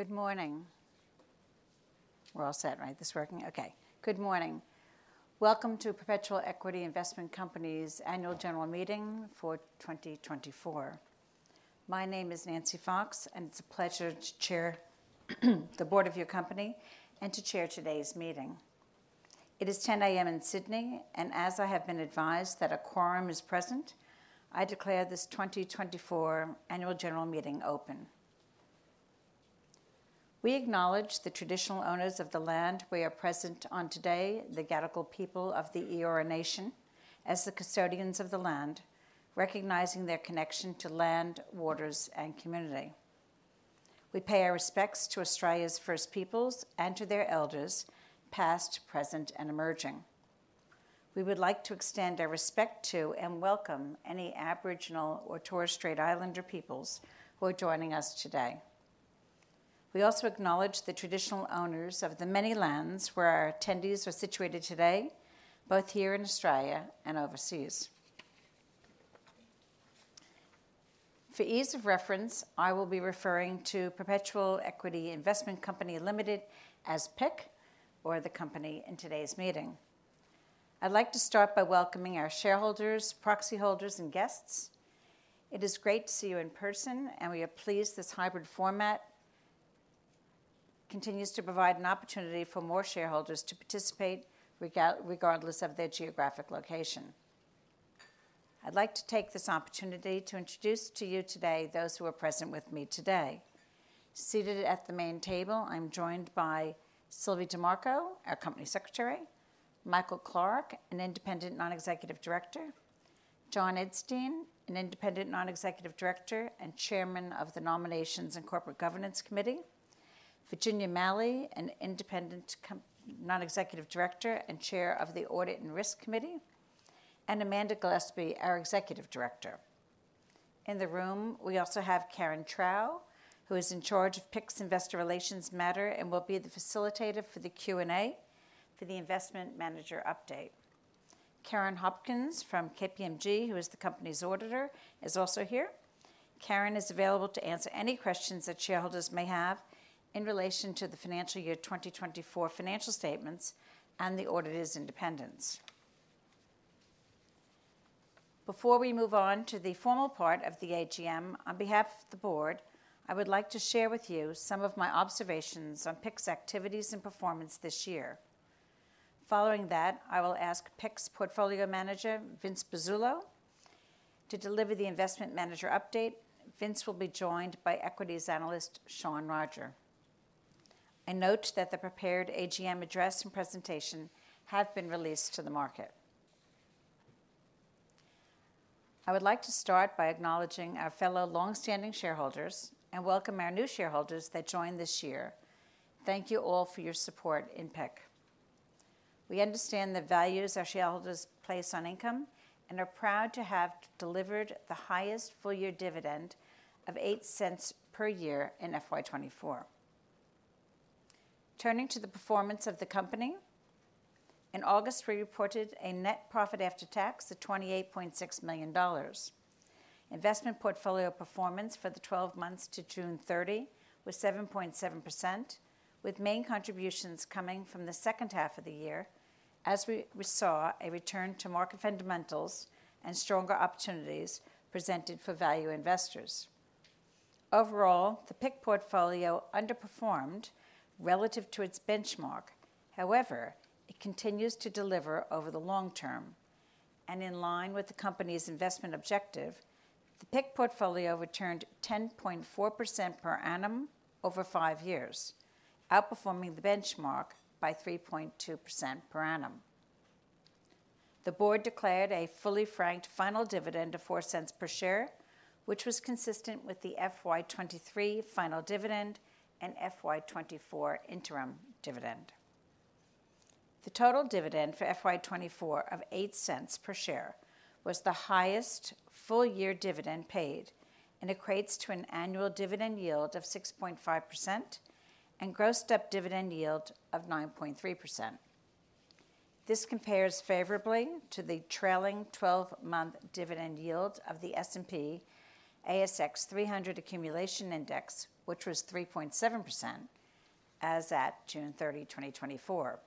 Good morning. We're all set, right? This working? Okay. Good morning. Welcome to Perpetual Equity Investment Company's annual general meeting for 2024. My name is Nancy Fox, and it's a pleasure to chair the board of your company and to chair today's meeting. It is 10:00 A.M. in Sydney, and as I have been advised that a quorum is present, I declare this 2024 annual general meeting open. We acknowledge the traditional owners of the land we are present on today, the Gadigal people of the Eora Nation, as the custodians of the land, recognizing their connection to land, waters, and community. We pay our respects to Australia's First Peoples and to their elders, past, present, and emerging. We would like to extend our respect to and welcome any Aboriginal or Torres Strait Islander peoples who are joining us today. We also acknowledge the traditional owners of the many lands where our attendees are situated today, both here in Australia and overseas. For ease of reference, I will be referring to Perpetual Equity Investment Company Limited as PIC, or the company in today's meeting. I'd like to start by welcoming our shareholders, proxy holders, and guests. It is great to see you in person, and we are pleased this hybrid format continues to provide an opportunity for more shareholders to participate regardless of their geographic location. I'd like to take this opportunity to introduce to you today those who are present with me today. Seated at the main table, I'm joined by Sylvie DiMarco, our company secretary, Michael Clarke, an independent non-executive director, John Edstein, an independent non-executive director and chairman of the Nominations and Corporate Governance Committee, Virginia Malley, an independent non-executive director and chair of the Audit and Risk Committee, and Amanda Gillespie, our executive director. In the room, we also have Karen Trouw, who is in charge of PIC's investor relations matters and will be the facilitator for the Q&A for the investment manager update. Karen Hopkins from KPMG, who is the company's auditor, is also here. Karen is available to answer any questions that shareholders may have in relation to the financial year 2024 financial statements and the auditor's independence. Before we move on to the formal part of the AGM, on behalf of the board, I would like to share with you some of my observations on PIC's activities and performance this year. Following that, I will ask PIC's portfolio manager, Vince Pezzullo, to deliver the investment manager update. Vince will be joined by equities analyst Sean Roger. I note that the prepared AGM address and presentation have been released to the market. I would like to start by acknowledging our fellow longstanding shareholders and welcome our new shareholders that joined this year. Thank you all for your support in PIC. We understand the values our shareholders place on income and are proud to have delivered the highest full-year dividend of 0.08 per year in FY24. Turning to the performance of the company, in August, we reported a net profit after tax of 28.6 million dollars. Investment portfolio performance for the 12 months to June 30 was 7.7%, with main contributions coming from the second half of the year, as we saw a return to market fundamentals and stronger opportunities presented for value investors. Overall, the PIC portfolio underperformed relative to its benchmark. However, it continues to deliver over the long term, and in line with the company's investment objective, the PIC portfolio returned 10.4% per annum over five years, outperforming the benchmark by 3.2% per annum. The board declared a fully franked final dividend of 0.04 per share, which was consistent with the FY23 final dividend and FY24 interim dividend. The total dividend for FY24 of 0.08 per share was the highest full-year dividend paid, and it equates to an annual dividend yield of 6.5% and grossed-up dividend yield of 9.3%. This compares favorably to the trailing 12-month dividend yield of the S&P/ASX 300 Accumulation Index, which was 3.7% as at June 30, 2024.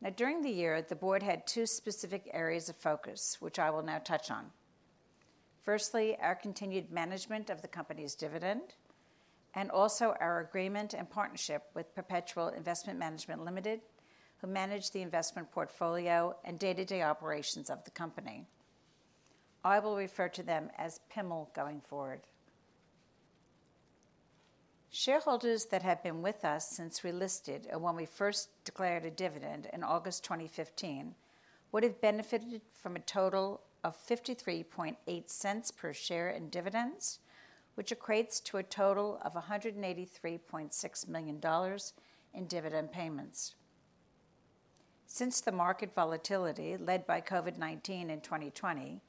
Now, during the year, the board had two specific areas of focus, which I will now touch on. Firstly, our continued management of the company's dividend and also our agreement and partnership with Perpetual Investment Management Limited, who manage the investment portfolio and day-to-day operations of the company. I will refer to them as PIML going forward. Shareholders that have been with us since we listed and when we first declared a dividend in August 2015 would have benefited from a total of 0.538 per share in dividends, which equates to a total of 183.6 million dollars in dividend payments. Since the market volatility led by COVID-19 in 2020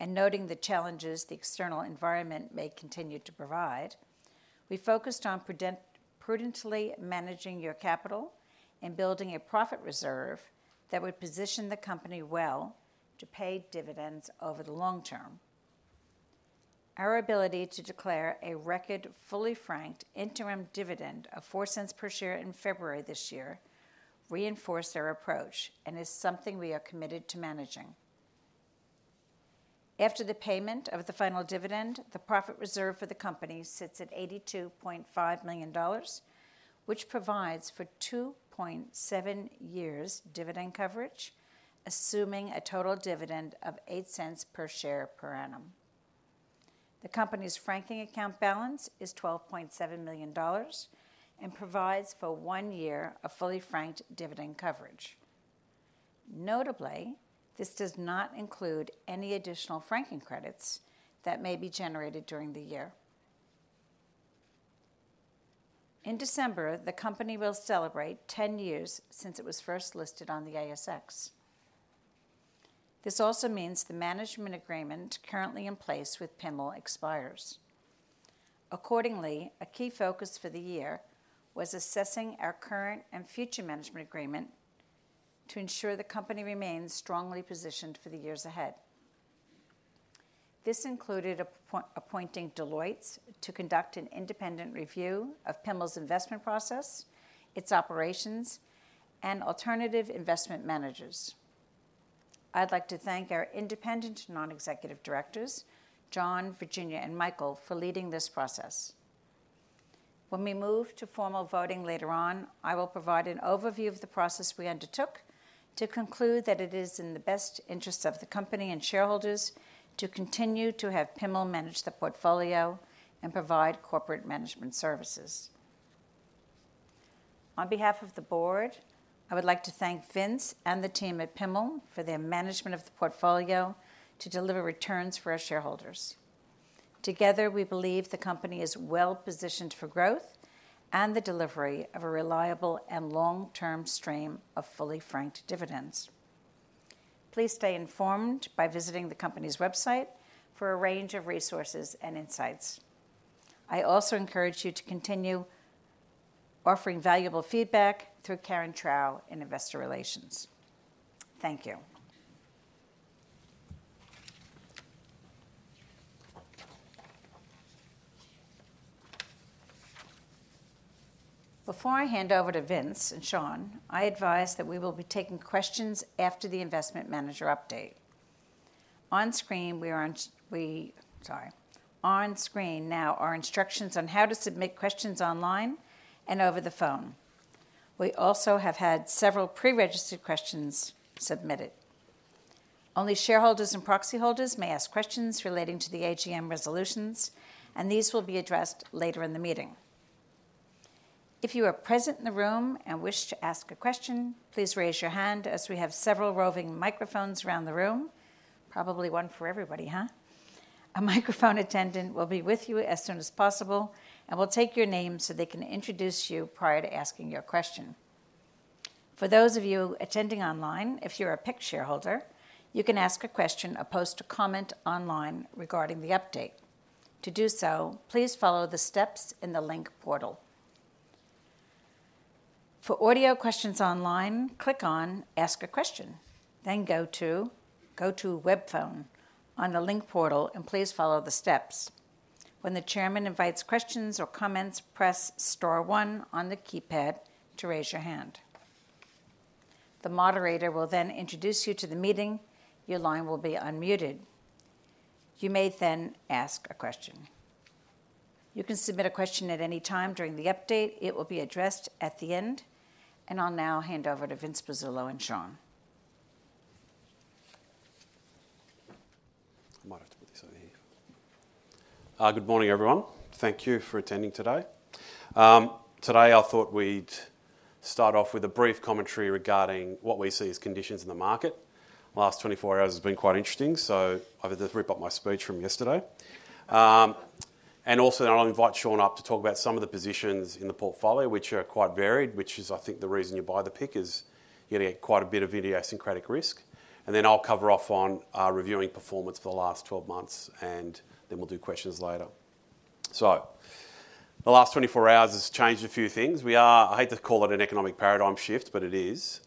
and noting the challenges the external environment may continue to provide, we focused on prudently managing your capital and building a profit reserve that would position the company well to pay dividends over the long term. Our ability to declare a record fully franked interim dividend of 0.04 per share in February this year reinforced our approach and is something we are committed to managing. After the payment of the final dividend, the profit reserve for the company sits at 82.5 million dollars, which provides for 2.7 years dividend coverage, assuming a total dividend of 0.08 per share per annum. The company's franking account balance is 12.7 million dollars and provides for one year of fully franked dividend coverage. Notably, this does not include any additional franking credits that may be generated during the year. In December, the company will celebrate 10 years since it was first listed on the ASX. This also means the management agreement currently in place with PIML expires. Accordingly, a key focus for the year was assessing our current and future management agreement to ensure the company remains strongly positioned for the years ahead. This included appointing Deloitte to conduct an independent review of PIML's investment process, its operations, and alternative investment managers. I'd like to thank our independent non-executive directors, John, Virginia, and Michael, for leading this process. When we move to formal voting later on, I will provide an overview of the process we undertook to conclude that it is in the best interest of the company and shareholders to continue to have PIML manage the portfolio and provide corporate management services. On behalf of the board, I would like to thank Vince and the team at PIML for their management of the portfolio to deliver returns for our shareholders. Together, we believe the company is well positioned for growth and the delivery of a reliable and long-term stream of fully franked dividends. Please stay informed by visiting the company's website for a range of resources and insights. I also encourage you to continue offering valuable feedback through Karen Trouw in investor relations. Thank you. Before I hand over to Vince and Sean, I advise that we will be taking questions after the investment manager update. On screen—sorry. On screen now are instructions on how to submit questions online and over the phone. We also have had several pre-registered questions submitted. Only shareholders and proxy holders may ask questions relating to the AGM resolutions, and these will be addressed later in the meeting. If you are present in the room and wish to ask a question, please raise your hand as we have several roving microphones around the room. Probably one for everybody, huh? A microphone attendant will be with you as soon as possible and will take your name so they can introduce you prior to asking your question. For those of you attending online, if you're a PIC shareholder, you can ask a question or post a comment online regarding the update. To do so, please follow the steps in the link portal. For audio questions online, click on "Ask a Question," then go to "Go to Web Phone" on the link portal and please follow the steps. When the chairman invites questions or comments, press "STORE 1" on the keypad to raise your hand. The moderator will then introduce you to the meeting. Your line will be unmuted. You may then ask a question. You can submit a question at any time during the update. It will be addressed at the end. And I'll now hand over to Vince Pezzullo and Sean. Good morning, everyone. Thank you for attending today. Today, I thought we'd start off with a brief commentary regarding what we see as conditions in the market. The last 24 hours has been quite interesting, so I've just ripped up my speech from yesterday. And also, I'll invite Sean up to talk about some of the positions in the portfolio, which are quite varied, which is, I think, the reason you buy the PIC, is you get quite a bit of idiosyncratic risk. And then I'll cover off on reviewing performance for the last 12 months, and then we'll do questions later. So the last 24 hours has changed a few things. We are. I hate to call it an economic paradigm shift, but it is.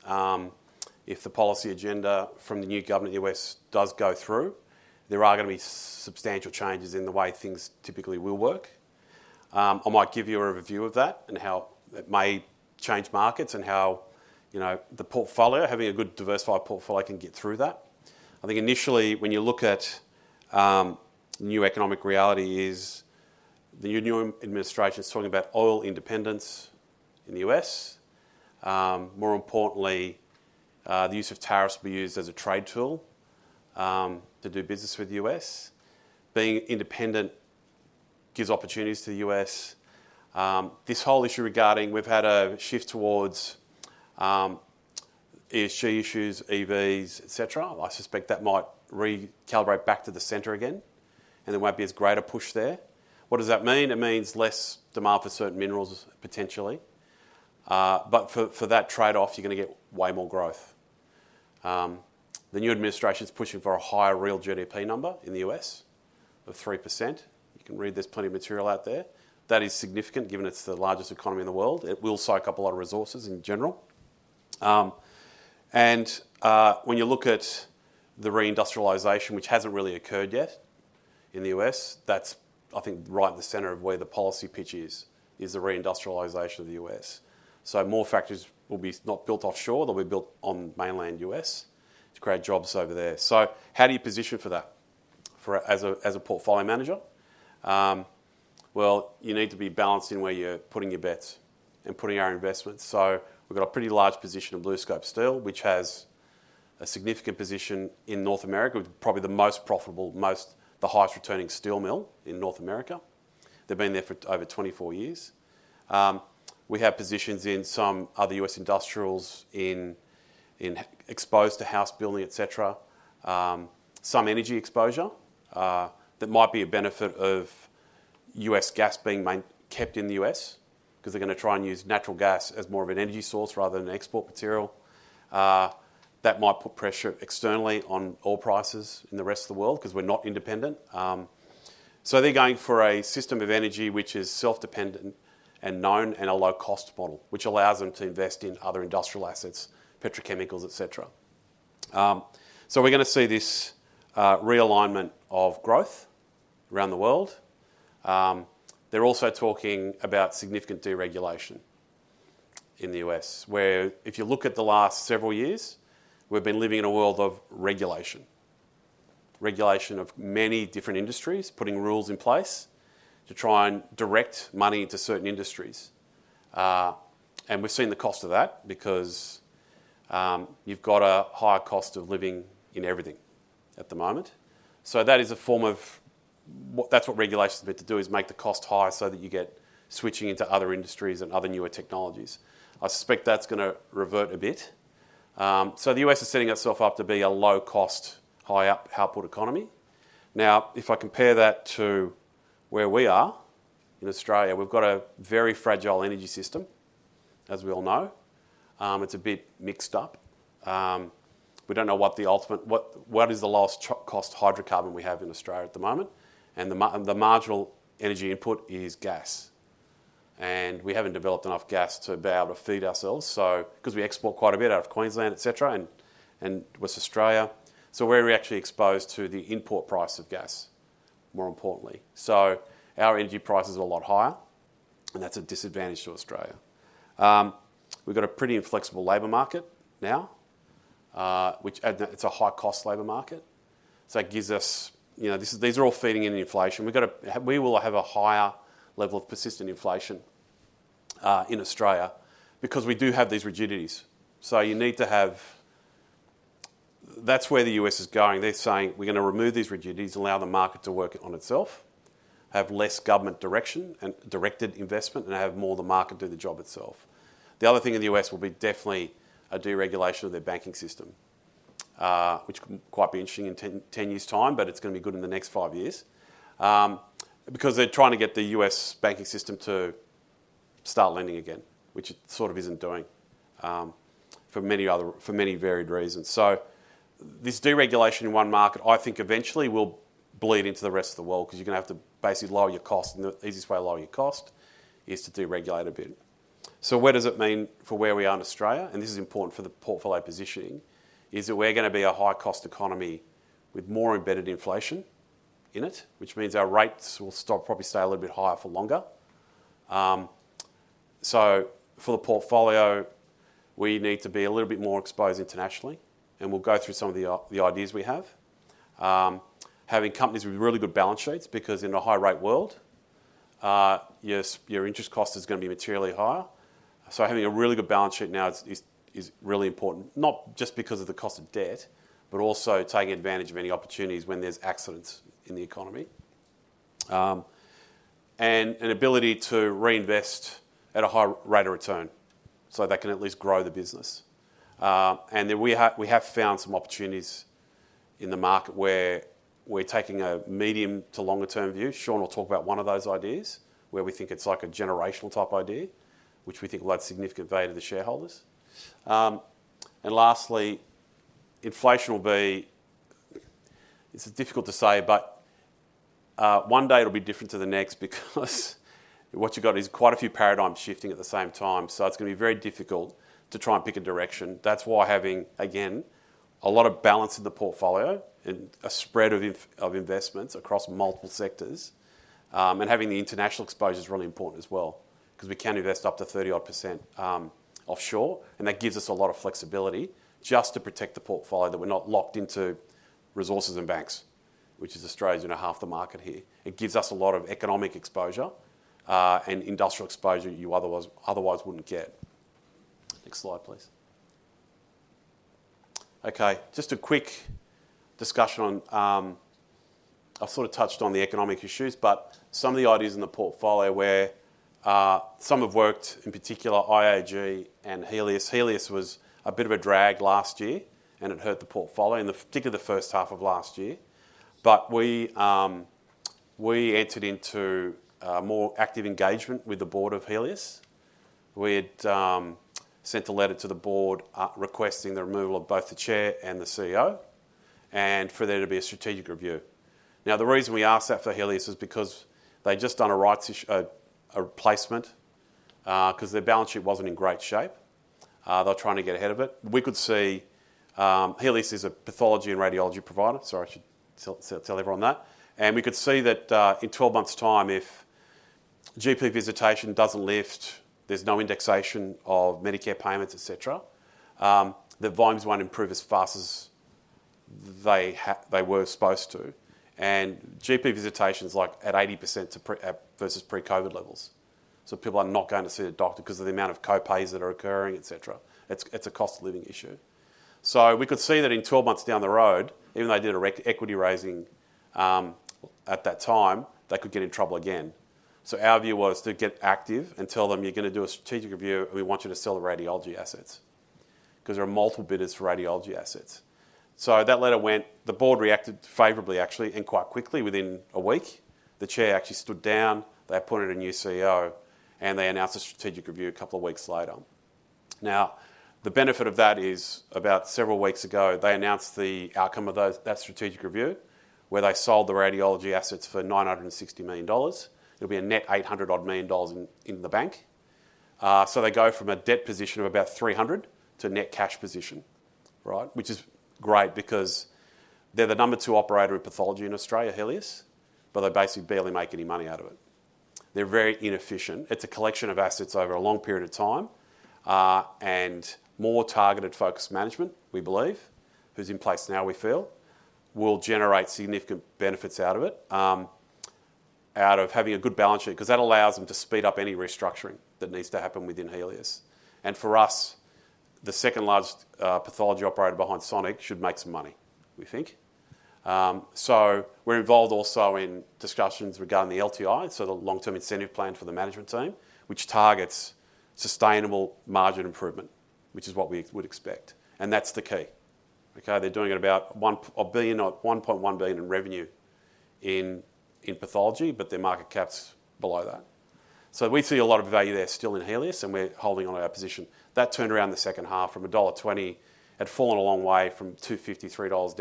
If the policy agenda from the new government in the U.S. does go through, there are going to be substantial changes in the way things typically will work. I might give you a review of that and how it may change markets and how the portfolio, having a good diversified portfolio, can get through that. I think initially, when you look at new economic reality, the new administration is talking about oil independence in the U.S. More importantly, the use of tariffs will be used as a trade tool to do business with the U.S. Being independent gives opportunities to the U.S. This whole issue regarding we've had a shift towards ESG issues, EVs, etc. I suspect that might recalibrate back to the center again, and there won't be as great a push there. What does that mean? It means less demand for certain minerals, potentially. But for that trade-off, you're going to get way more growth. The new administration is pushing for a higher real GDP number in the U.S. of 3%. You can read, there's plenty of material out there. That is significant given it's the largest economy in the world. It will soak up a lot of resources in general. And when you look at the reindustrialization, which hasn't really occurred yet in the U.S., that's, I think, right in the center of where the policy pitch is, is the reindustrialization of the U.S. So more factories will be not built offshore. They'll be built on mainland U.S. to create jobs over there. So how do you position for that as a portfolio manager? Well, you need to be balanced in where you're putting your bets and putting our investments. So we've got a pretty large position in BlueScope Steel, which has a significant position in North America, probably the most profitable, the highest returning steel mill in North America. They've been there for over 24 years. We have positions in some other U.S. industrials exposed to house building, etc. Some energy exposure that might be a benefit of U.S. gas being kept in the U.S. because they're going to try and use natural gas as more of an energy source rather than an export material. That might put pressure externally on oil prices in the rest of the world because we're not independent. So they're going for a system of energy which is self-dependent and known and a low-cost model, which allows them to invest in other industrial assets, petrochemicals, etc. So we're going to see this realignment of growth around the world. They're also talking about significant deregulation in the U.S., where if you look at the last several years, we've been living in a world of regulation, regulation of many different industries, putting rules in place to try and direct money into certain industries. And we've seen the cost of that because you've got a higher cost of living in everything at the moment. So that is a form of that's what regulation is meant to do, is make the cost higher so that you get switching into other industries and other newer technologies. I suspect that's going to revert a bit. So the U.S. is setting itself up to be a low-cost, high-output economy. Now, if I compare that to where we are in Australia, we've got a very fragile energy system, as we all know. It's a bit mixed up. We don't know what the ultimate lowest cost hydrocarbon we have in Australia at the moment. The marginal energy input is gas. We haven't developed enough gas to be able to feed ourselves because we export quite a bit out of Queensland, etc., and Western Australia. We're actually exposed to the import price of gas, more importantly. Our energy prices are a lot higher, and that's a disadvantage to Australia. We've got a pretty inflexible labor market now, which it's a high-cost labor market. It gives us. These are all feeding into inflation. We will have a higher level of persistent inflation in Australia because we do have these rigidities. You need to have. That's where the U.S. is going. They're saying, "We're going to remove these rigidities and allow the market to work on itself, have less government direction and directed investment, and have more of the market do the job itself." The other thing in the U.S. will be definitely a deregulation of their banking system, which could quite be interesting in 10 years' time, but it's going to be good in the next five years because they're trying to get the U.S. banking system to start lending again, which it sort of isn't doing for many varied reasons. So this deregulation in one market, I think eventually will bleed into the rest of the world because you're going to have to basically lower your cost. And the easiest way to lower your cost is to deregulate a bit. So what does it mean for where we are in Australia? This is important for the portfolio positioning, is that we're going to be a high-cost economy with more embedded inflation in it, which means our rates will probably stay a little bit higher for longer. For the portfolio, we need to be a little bit more exposed internationally. We'll go through some of the ideas we have. Having companies with really good balance sheets because in a high-rate world, your interest cost is going to be materially higher. Having a really good balance sheet now is really important, not just because of the cost of debt, but also taking advantage of any opportunities when there's accidents in the economy and an ability to reinvest at a high rate of return so they can at least grow the business. We have found some opportunities in the market where we're taking a medium to longer-term view. Sean will talk about one of those ideas where we think it's like a generational type idea, which we think will add significant value to the shareholders. And lastly, inflation will be. It's difficult to say, but one day it'll be different to the next because what you've got is quite a few paradigms shifting at the same time. So it's going to be very difficult to try and pick a direction. That's why having, again, a lot of balance in the portfolio and a spread of investments across multiple sectors and having the international exposure is really important as well because we can invest up to 30-odd% offshore. And that gives us a lot of flexibility just to protect the portfolio that we're not locked into resources and banks, which is Australia's half the market here. It gives us a lot of economic exposure and industrial exposure you otherwise wouldn't get. Next slide, please. Okay. Just a quick discussion on. I've sort of touched on the economic issues, but some of the ideas in the portfolio where some have worked, in particular IAG and Healius. Healius was a bit of a drag last year, and it hurt the portfolio, particularly the first half of last year. But we entered into more active engagement with the board of Healius. We had sent a letter to the board requesting the removal of both the chair and the CEO and for there to be a strategic review. Now, the reason we asked that for Healius is because they'd just done a replacement because their balance sheet wasn't in great shape. They're trying to get ahead of it. We could see Healius is a pathology and radiology provider. Sorry, I should tell everyone that. We could see that in 12 months' time, if GP visitation doesn't lift, there's no indexation of Medicare payments, etc., the volumes won't improve as fast as they were supposed to. GP visitation is like at 80% versus pre-COVID levels. People are not going to see a doctor because of the amount of copays that are occurring, etc. It's a cost of living issue. We could see that in 12 months down the road, even though they did an equity raising at that time, they could get in trouble again. Our view was to get active and tell them, "You're going to do a strategic review, and we want you to sell the radiology assets because there are multiple bidders for radiology assets." That letter went. The board reacted favorably, actually, and quite quickly within a week. The chair actually stood down. They appointed a new CEO, and they announced a strategic review a couple of weeks later. Now, the benefit of that is about several weeks ago, they announced the outcome of that strategic review where they sold the radiology assets for 960 million dollars. It'll be a net 800-odd million dollars in the bank. So they go from a debt position of about 300 million to a net cash position, which is great because they're the number two operator in pathology in Australia, Healius, but they basically barely make any money out of it. They're very inefficient. It's a collection of assets over a long period of time and more targeted focused management, we believe, who's in place now, we feel, will generate significant benefits out of it, out of having a good balance sheet because that allows them to speed up any restructuring that needs to happen within Healius. For us, the second-largest pathology operator behind Sonic should make some money, we think. We're involved also in discussions regarding the LTI, so the long-term incentive plan for the management team, which targets sustainable margin improvement, which is what we would expect. That's the key. They're doing about 1.1 billion in revenue in pathology, but their market cap's below that. We see a lot of value there still in Healius, and we're holding on to our position. That turned around the second half from AUD 1.20. It had fallen a long way from 2.53 dollars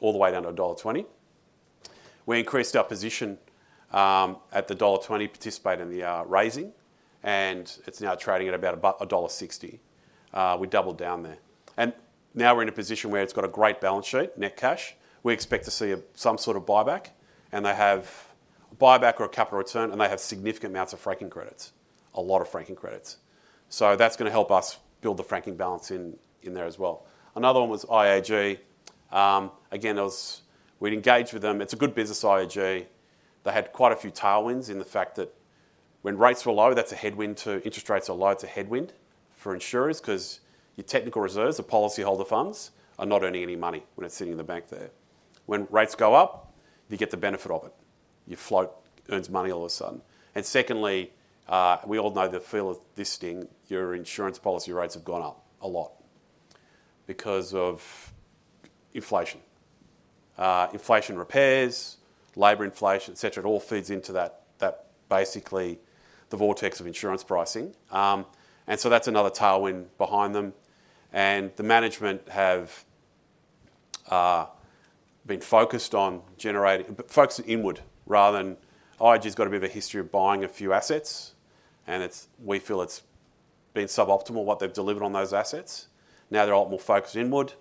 all the way down to dollar 1.20. We increased our position at the dollar 1.20, participated in the raising, and it's now trading at about dollar 1.60. We doubled down there, and now we're in a position where it's got a great balance sheet, net cash. We expect to see some sort of buyback, and they have a buyback or a capital return, and they have significant amounts of franking credits, a lot of franking credits. So that's going to help us build the franking balance in there as well. Another one was IAG. Again, we'd engaged with them. It's a good business, IAG. They had quite a few tailwinds in the fact that when rates were low, that's a headwind too. Interest rates are low, it's a headwind for insurers because your technical reserves, the policyholder funds, are not earning any money when it's sitting in the bank there. When rates go up, you get the benefit of it. Your float earns money all of a sudden. And secondly, we all know the feel of this thing. Your insurance policy rates have gone up a lot because of inflation, inflation repairs, labor inflation, etc. It all feeds into that, basically, the vortex of insurance pricing. And so that's another tailwind behind them. And the management have been focused on generating focused inward rather than. IAG's got a bit of a history of buying a few assets, and we feel it's been suboptimal what they've delivered on those assets. Now they're a lot more focused inward,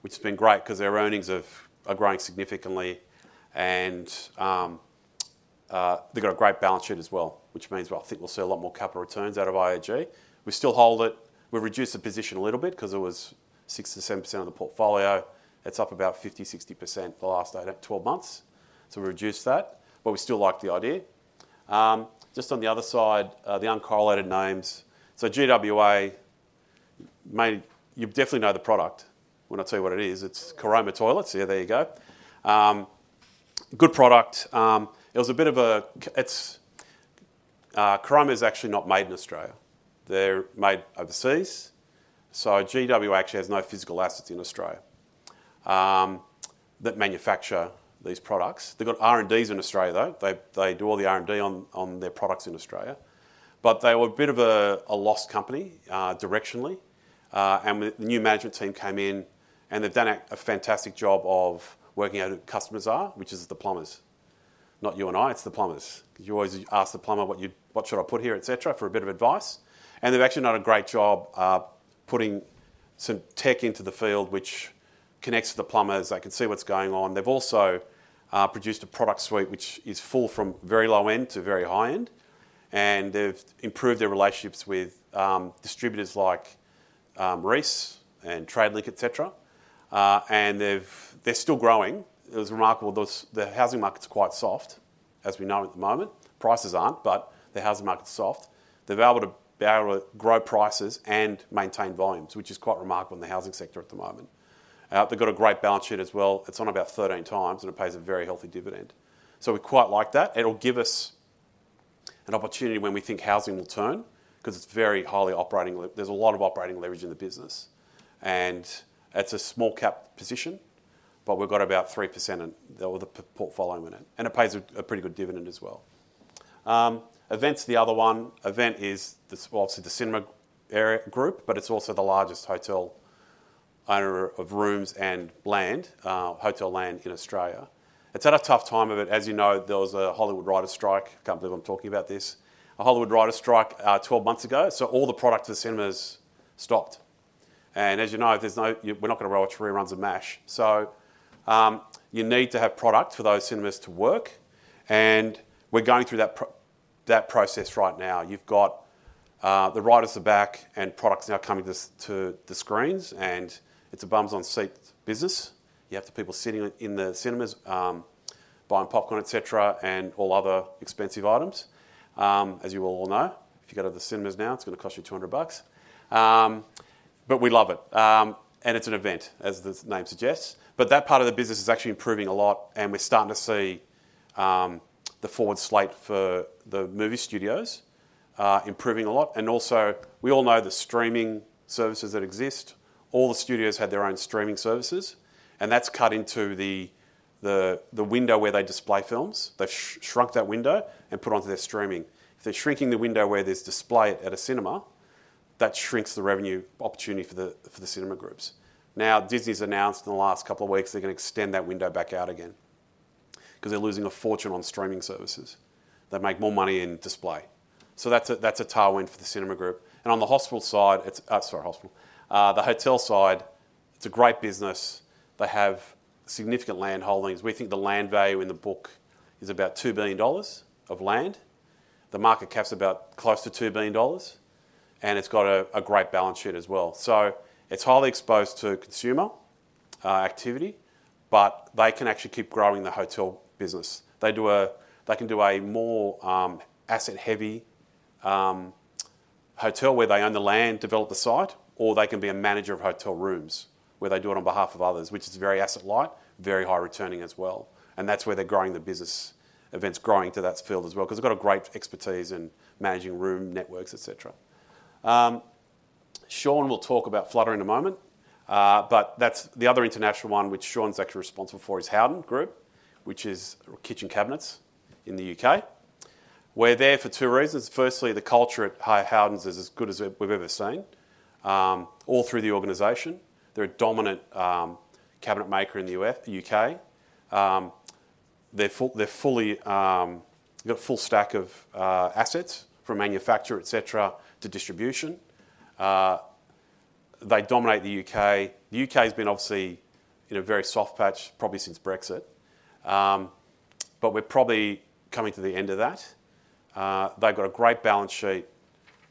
which has been great because their earnings are growing significantly, and they've got a great balance sheet as well, which means, well, I think we'll see a lot more capital returns out of IAG. We still hold it. We reduced the position a little bit because it was 6%-7% of the portfolio. It's up about 50%-60% the last 12 months. So we reduced that, but we still like the idea. Just on the other side, the uncorrelated names. So GWA, you definitely know the product. We're not telling you what it is. It's Caroma Toilets. Yeah, there you go. Good product. It was a bit of a Caroma is actually not made in Australia. They're made overseas. So GWA actually has no physical assets in Australia that manufacture these products. They've got R&Ds in Australia, though. They do all the R&D on their products in Australia, but they were a bit of a lost company directionally, and the new management team came in, and they've done a fantastic job of working out who customers are, which is the plumbers. Not you and I. It's the plumbers. You always ask the plumber, "What should I put here?" etc. for a bit of advice, and they've actually done a great job putting some tech into the field, which connects to the plumbers. They can see what's going on. They've also produced a product suite which is full from very low-end to very high-end, and they've improved their relationships with distributors like Reece and Tradelink, etc., and they're still growing. It was remarkable. The housing market's quite soft, as we know at the moment. Prices aren't, but the housing market's soft. They've been able to grow prices and maintain volumes, which is quite remarkable in the housing sector at the moment. They've got a great balance sheet as well. It's on about 13 times, and it pays a very healthy dividend. So we quite like that. It'll give us an opportunity when we think housing will turn because it's very highly operating. There's a lot of operating leverage in the business. And it's a small-cap position, but we've got about 3% of the portfolio in it. And it pays a pretty good dividend as well. Event's the other one. Event is, well, obviously, the Cinema Group, but it's also the largest hotel owner of rooms and land, hotel land in Australia. It's at a tough time of it. As you know, there was a Hollywood writer strike. I can't believe I'm talking about this. A Hollywood writer strike 12 months ago. All the products for the cinemas stopped. And as you know, we're not going to roll out three runs of MASH. So you need to have product for those cinemas to work. And we're going through that process right now. You've got the writers at the back, and product's now coming to the screens. And it's a bums-on-seat business. You have the people sitting in the cinemas buying popcorn, etc., and all other expensive items. As you all know, if you go to the cinemas now, it's going to cost you 200 bucks. But we love it. And it's an event, as the name suggests. But that part of the business is actually improving a lot. And we're starting to see the forward slate for the movie studios improving a lot. And also, we all know the streaming services that exist. All the studios had their own streaming services. And that's cut into the window where they display films. They've shrunk that window and put onto their streaming. If they're shrinking the window where there's display at a cinema, that shrinks the revenue opportunity for the cinema groups. Now, Disney's announced in the last couple of weeks they're going to extend that window back out again because they're losing a fortune on streaming services that make more money in display. So that's a tailwind for the cinema group. And on the hospital side, sorry, hospital. The hotel side, it's a great business. They have significant land holdings. We think the land value in the book is about 2 billion dollars of land. The market cap's about close to 2 billion dollars. And it's got a great balance sheet as well. So it's highly exposed to consumer activity, but they can actually keep growing the hotel business. They can do a more asset-heavy hotel where they own the land, develop the site, or they can be a manager of hotel rooms where they do it on behalf of others, which is very asset-light, very high-returning as well. And that's where they're growing the business. Event's growing to that field as well because they've got a great expertise in managing room networks, etc. Sean will talk about Flutter in a moment. But the other international one which Sean's actually responsible for is Howden Group, which is kitchen cabinets in the U.K. We're there for two reasons. First, the culture at Howden's is as good as we've ever seen all through the organization. They're a dominant cabinet maker in the U.K. They've got a full stack of assets from manufacture, etc., to distribution. They dominate the U.K. The U.K. has been obviously in a very soft patch probably since Brexit, but we're probably coming to the end of that. They've got a great balance sheet.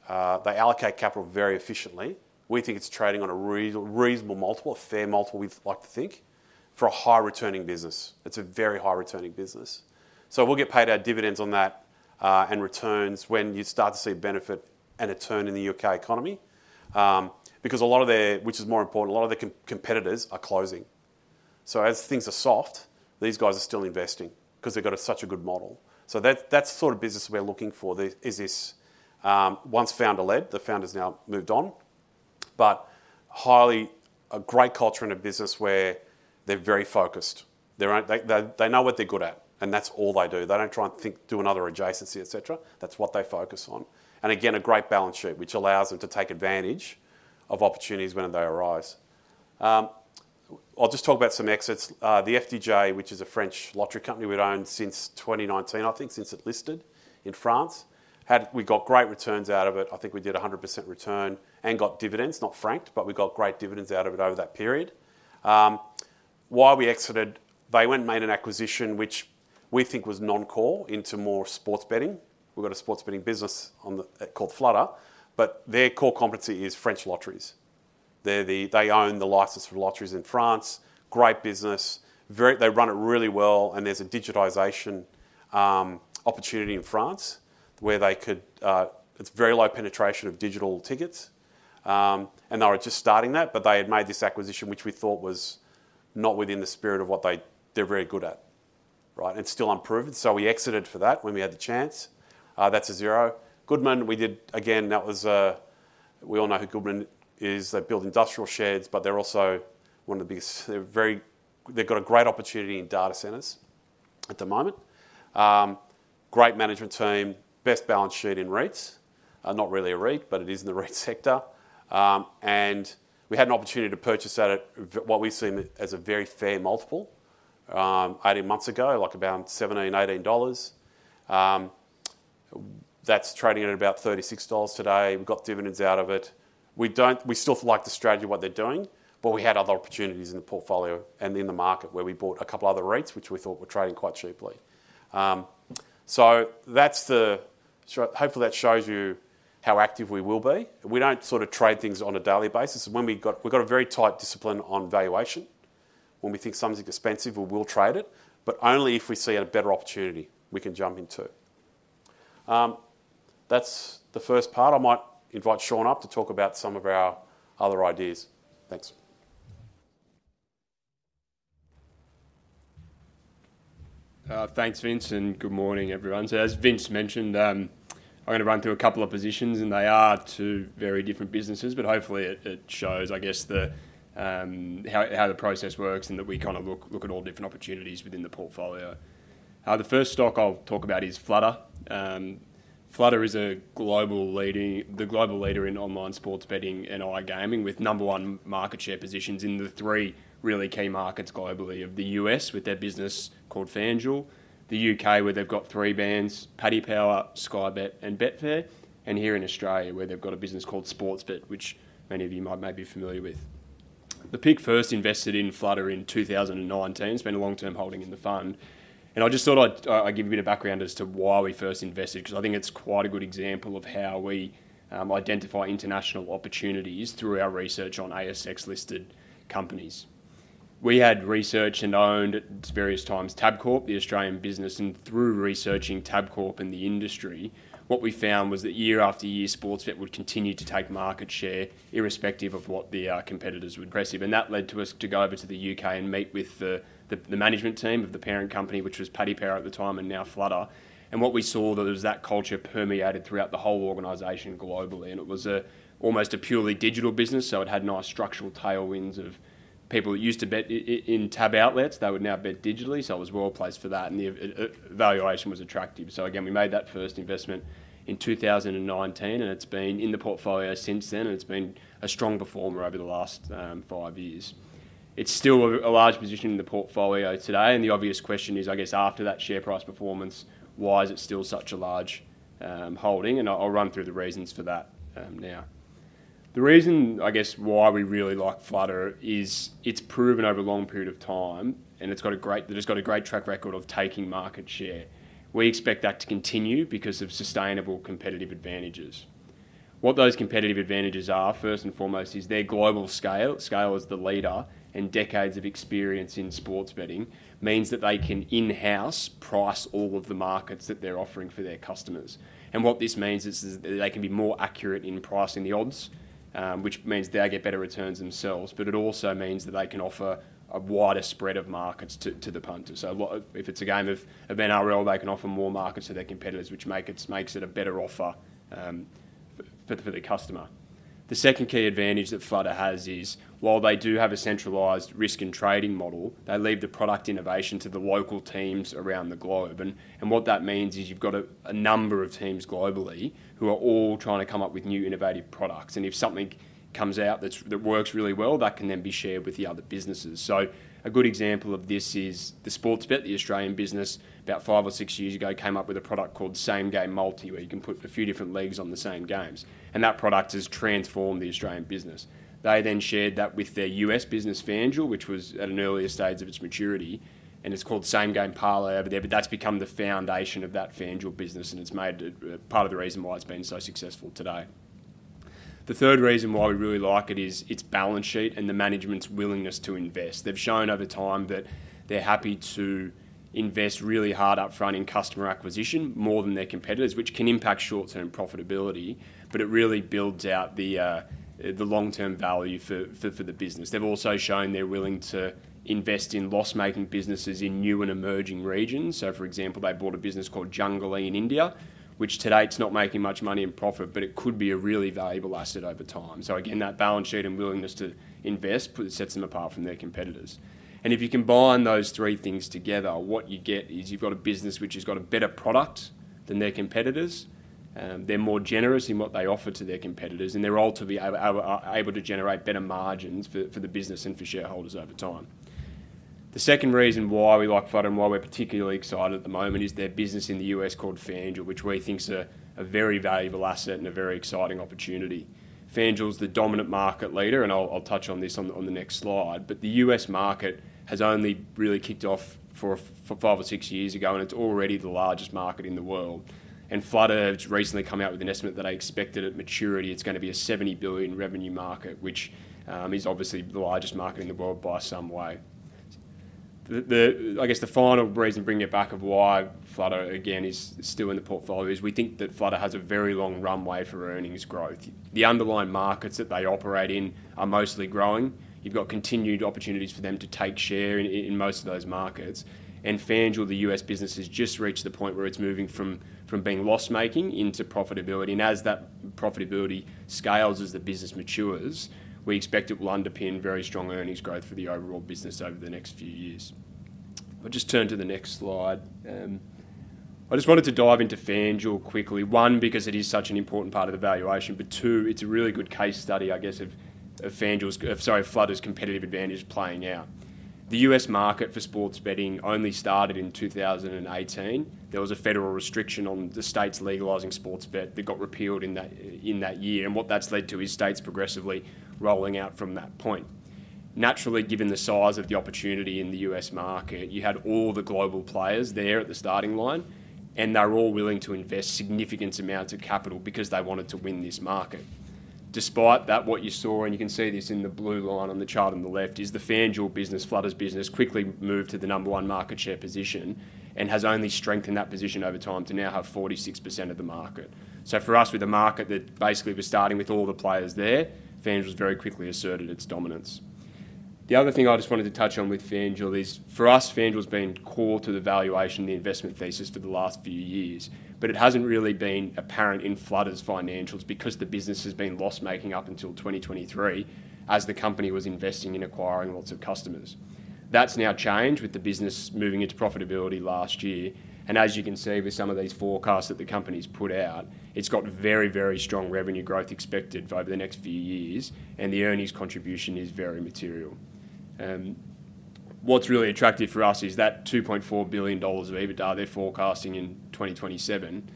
They allocate capital very efficiently. We think it's trading on a reasonable multiple, a fair multiple we'd like to think, for a high-returning business. It's a very high-returning business. So we'll get paid our dividends on that and returns when you start to see benefit and a turn in the U.K. economy because a lot of their, which is more important, a lot of their competitors are closing. So as things are soft, these guys are still investing because they've got such a good model. So that's the sort of business we're looking for is this once-founder-led. The founder's now moved on, but a great culture in a business where they're very focused. They know what they're good at, and that's all they do. They don't try and do another adjacency, etc. That's what they focus on. And again, a great balance sheet, which allows them to take advantage of opportunities when they arise. I'll just talk about some exits. The FDJ, which is a French lottery company we've owned since 2019, I think, since it listed in France, we got great returns out of it. I think we did 100% return and got dividends, not franked, but we got great dividends out of it over that period. Why we exited? They went and made an acquisition, which we think was non-core, into more sports betting. We've got a sports betting business called Flutter, but their core competency is French lotteries. They own the license for lotteries in France. Great business. They run it really well. There's a digitization opportunity in France where they could. It's very low penetration of digital tickets. They were just starting that, but they had made this acquisition, which we thought was not within the spirit of what they're very good at, right, and still unproven. So we exited for that when we had the chance. That's a zero. Goodman, we did again. We all know who Goodman is. They build industrial sheds, but they're also one of the biggest. They've got a great opportunity in data centers at the moment. Great management team, best balance sheet in REITs. Not really a REIT, but it is in the REIT sector. We had an opportunity to purchase at what we've seen as a very fair multiple 18 months ago, like around 17-18 dollars. That's trading at about 36 dollars today. We've got dividends out of it. We still like the strategy of what they're doing, but we had other opportunities in the portfolio and in the market where we bought a couple of other REITs, which we thought were trading quite cheaply. So hopefully that shows you how active we will be. We don't sort of trade things on a daily basis. We've got a very tight discipline on valuation. When we think something's expensive, we will trade it, but only if we see a better opportunity we can jump into. That's the first part. I might invite Sean up to talk about some of our other ideas. Thanks. Thanks, Vince. Good morning, everyone. As Vince mentioned, I'm going to run through a couple of positions, and they are two very different businesses, but hopefully it shows, I guess, how the process works and that we kind of look at all different opportunities within the portfolio. The first stock I'll talk about is Flutter. Flutter is the global leader in online sports betting and online gaming with number one market share positions in the three really key markets globally of the U.S. with their business called FanDuel, the U.K. where they've got three brands, Paddy Power, Sky Bet, and Betfair, and here in Australia where they've got a business called Sportsbet, which many of you might be familiar with. The PIC first invested in Flutter in 2019, it's a long-term holding in the fund. I just thought I'd give you a bit of background as to why we first invested because I think it's quite a good example of how we identify international opportunities through our research on ASX-listed companies. We had researched and owned at various times TAB Corp the Australian business. Through researching TAB Corp and the industry, what we found was that year after year, Sportsbet would continue to take market share irrespective of what the competitors would. Aggressive. That led to us to go over to the UK and meet with the management team of the parent company, which was Paddy Power at the time and now Flutter. What we saw, there was that culture permeated throughout the whole organization globally. It was almost a purely digital business. It had nice structural tailwinds of people that used to bet in TAB outlets. They would now bet digitally. So it was well placed for that. And the valuation was attractive. So again, we made that first investment in 2019, and it's been in the portfolio since then, and it's been a strong performer over the last five years. It's still a large position in the portfolio today. And the obvious question is, I guess, after that share price performance, why is it still such a large holding? And I'll run through the reasons for that now. The reason, I guess, why we really like Flutter is it's proven over a long period of time, and it's got a great track record of taking market share. We expect that to continue because of sustainable competitive advantages. What those competitive advantages are, first and foremost, is their global scale. Scale is the leader, and decades of experience in sports betting means that they can in-house price all of the markets that they're offering for their customers, and what this means is that they can be more accurate in pricing the odds, which means they'll get better returns themselves, but it also means that they can offer a wider spread of markets to the punter, so if it's a game of NRL, they can offer more markets to their competitors, which makes it a better offer for the customer. The second key advantage that Flutter has is, while they do have a centralized risk and trading model, they leave the product innovation to the local teams around the globe, and what that means is you've got a number of teams globally who are all trying to come up with new innovative products. And if something comes out that works really well, that can then be shared with the other businesses. So a good example of this is the Sportsbet, the Australian business, about five or six years ago came up with a product called Same Game Multi, where you can put a few different legs on the same games. And that product has transformed the Australian business. They then shared that with their US business, FanDuel, which was at an earlier stage of its maturity. And it's called Same Game Parlay over there, but that's become the foundation of that FanDuel business. And it's part of the reason why it's been so successful today. The third reason why we really like it is its balance sheet and the management's willingness to invest. They've shown over time that they're happy to invest really hard upfront in customer acquisition more than their competitors, which can impact short-term profitability, but it really builds out the long-term value for the business. They've also shown they're willing to invest in loss-making businesses in new and emerging regions. So, for example, they bought a business called Junglee in India, which today it's not making much money in profit, but it could be a really valuable asset over time. So again, that balance sheet and willingness to invest sets them apart from their competitors. And if you combine those three things together, what you get is you've got a business which has got a better product than their competitors. They're more generous in what they offer to their competitors, and they're ultimately able to generate better margins for the business and for shareholders over time. The second reason why we like Flutter and why we're particularly excited at the moment is their business in the U.S. called FanDuel, which we think is a very valuable asset and a very exciting opportunity. FanDuel is the dominant market leader, and I'll touch on this on the next slide. The U.S. market has only really kicked off five or six years ago, and it's already the largest market in the world. Flutter has recently come out with an estimate that I expect at maturity it's going to be a $70 billion revenue market, which is obviously the largest market in the world by some way. I guess the final reason bringing it back to why Flutter, again, is still in the portfolio is we think that Flutter has a very long runway for earnings growth. The underlying markets that they operate in are mostly growing. You've got continued opportunities for them to take share in most of those markets. And FanDuel, the U.S. business, has just reached the point where it's moving from being loss-making into profitability. And as that profitability scales, as the business matures, we expect it will underpin very strong earnings growth for the overall business over the next few years. I'll just turn to the next slide. I just wanted to dive into FanDuel quickly, one, because it is such an important part of the valuation, but two, it's a really good case study, I guess, of FanDuel's, sorry, Flutter's competitive advantage playing out. The U.S. market for sports betting only started in 2018. There was a federal restriction on the states legalizing sports bet that got repealed in that year. And what that's led to is states progressively rolling out from that point. Naturally, given the size of the opportunity in the U.S. market, you had all the global players there at the starting line, and they're all willing to invest significant amounts of capital because they wanted to win this market. Despite that, what you saw, and you can see this in the blue line on the chart on the left, is the FanDuel business, Flutter's business, quickly moved to the number one market share position and has only strengthened that position over time to now have 46% of the market. So for us, with a market that basically was starting with all the players there, FanDuel has very quickly asserted its dominance. The other thing I just wanted to touch on with FanDuel is, for us, FanDuel has been core to the valuation, the investment thesis for the last few years, but it hasn't really been apparent in Flutter's financials because the business has been loss-making up until 2023 as the company was investing in acquiring lots of customers. That's now changed with the business moving into profitability last year. And as you can see with some of these forecasts that the company's put out, it's got very, very strong revenue growth expected over the next few years, and the earnings contribution is very material. What's really attractive for us is that $2.4 billion of EBITDA they're forecasting in 2027.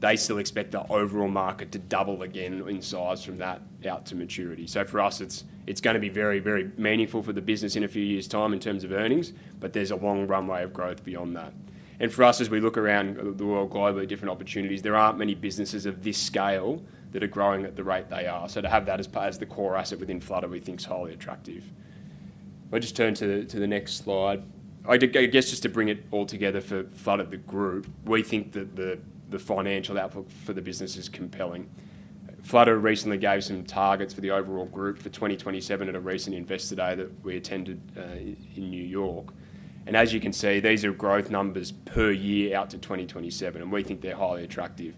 They still expect the overall market to double again in size from that out to maturity. So for us, it's going to be very, very meaningful for the business in a few years' time in terms of earnings, but there's a long runway of growth beyond that, and for us, as we look around the world globally, different opportunities, there aren't many businesses of this scale that are growing at the rate they are, so to have that as the core asset within Flutter, we think is highly attractive. I'll just turn to the next slide. I guess just to bring it all together for Flutter, the group, we think that the financial outlook for the business is compelling. Flutter recently gave some targets for the overall group for 2027 at a recent investor day that we attended in New York, and as you can see, these are growth numbers per year out to 2027, and we think they're highly attractive.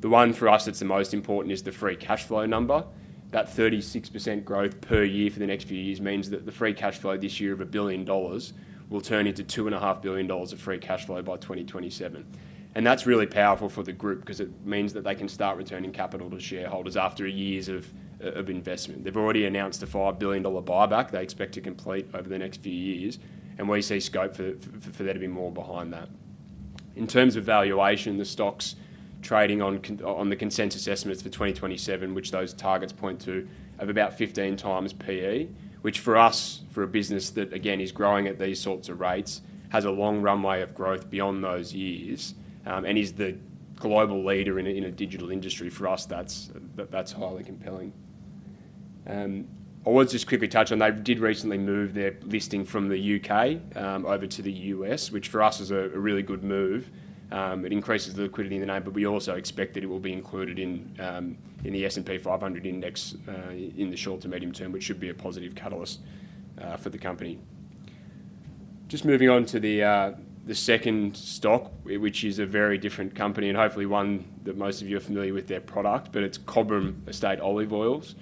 The one for us that's the most important is the free cash flow number. That 36% growth per year for the next few years means that the free cash flow this year of $1 billion will turn into $2.5 billion of free cash flow by 2027. And that's really powerful for the group because it means that they can start returning capital to shareholders after years of investment. They've already announced a $5 billion buyback they expect to complete over the next few years, and we see scope for there to be more behind that. In terms of valuation, the stock is trading on the consensus estimates for 2027, which those targets point to, of about 15 times PE, which for us, for a business that, again, is growing at these sorts of rates, has a long runway of growth beyond those years and is the global leader in a digital industry, for us, that's highly compelling. I'll just quickly touch on that they did recently move their listing from the U.K. over to the U.S., which for us is a really good move. It increases the liquidity in the name, but we also expect that it will be included in the S&P 500 index in the short to medium term, which should be a positive catalyst for the company. Just moving on to the second stock, which is a very different company and hopefully one that most of you are familiar with their product, but it's Cobram Estate Olives.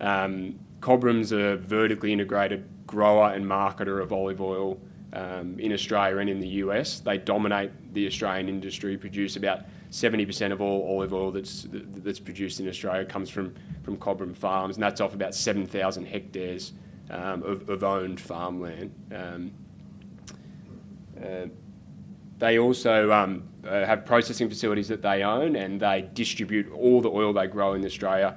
Cobram's a vertically integrated grower and marketer of olive oil in Australia and in the US. They dominate the Australian industry. Produce about 70% of all olive oil that's produced in Australia comes from Cobram Farms, and that's off about 7,000 hectares of owned farmland. They also have processing facilities that they own, and they distribute all the oil they grow in Australia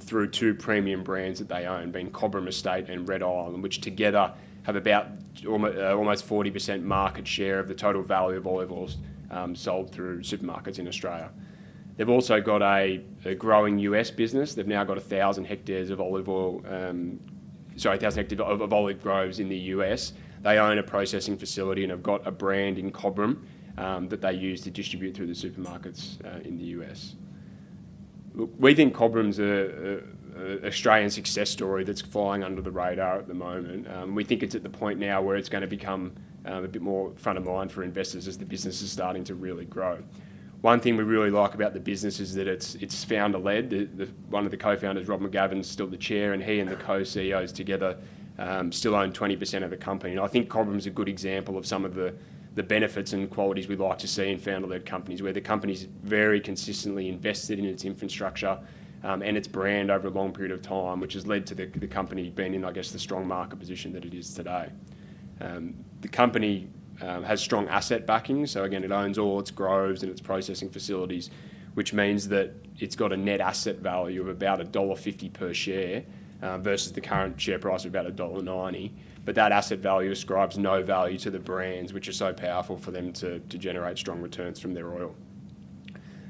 through two premium brands that they own, being Cobram Estate and Red Island, which together have about almost 40% market share of the total value of olive oils sold through supermarkets in Australia. They've also got a growing US business. They've now got 1,000 hectares of olive oil sorry, 1,000 hectares of olive groves in the U.S. They own a processing facility and have got a brand in Cobram that they use to distribute through the supermarkets in the U.S. We think Cobram's an Australian success story that's flying under the radar at the moment. We think it's at the point now where it's going to become a bit more front of mind for investors as the business is starting to really grow. One thing we really like about the business is that it's founder-led. One of the co-founders, Rob McGavin, is still the chair, and he and the co-CEOs together still own 20% of the company. I think Cobram's a good example of some of the benefits and qualities we like to see in founder-led companies, where the company's very consistently invested in its infrastructure and its brand over a long period of time, which has led to the company being in, I guess, the strong market position that it is today. The company has strong asset backing. So again, it owns all its groves and its processing facilities, which means that it's got a net asset value of about dollar 1.50 per share versus the current share price of about dollar 1.90. But that asset value ascribes no value to the brands, which is so powerful for them to generate strong returns from their oil.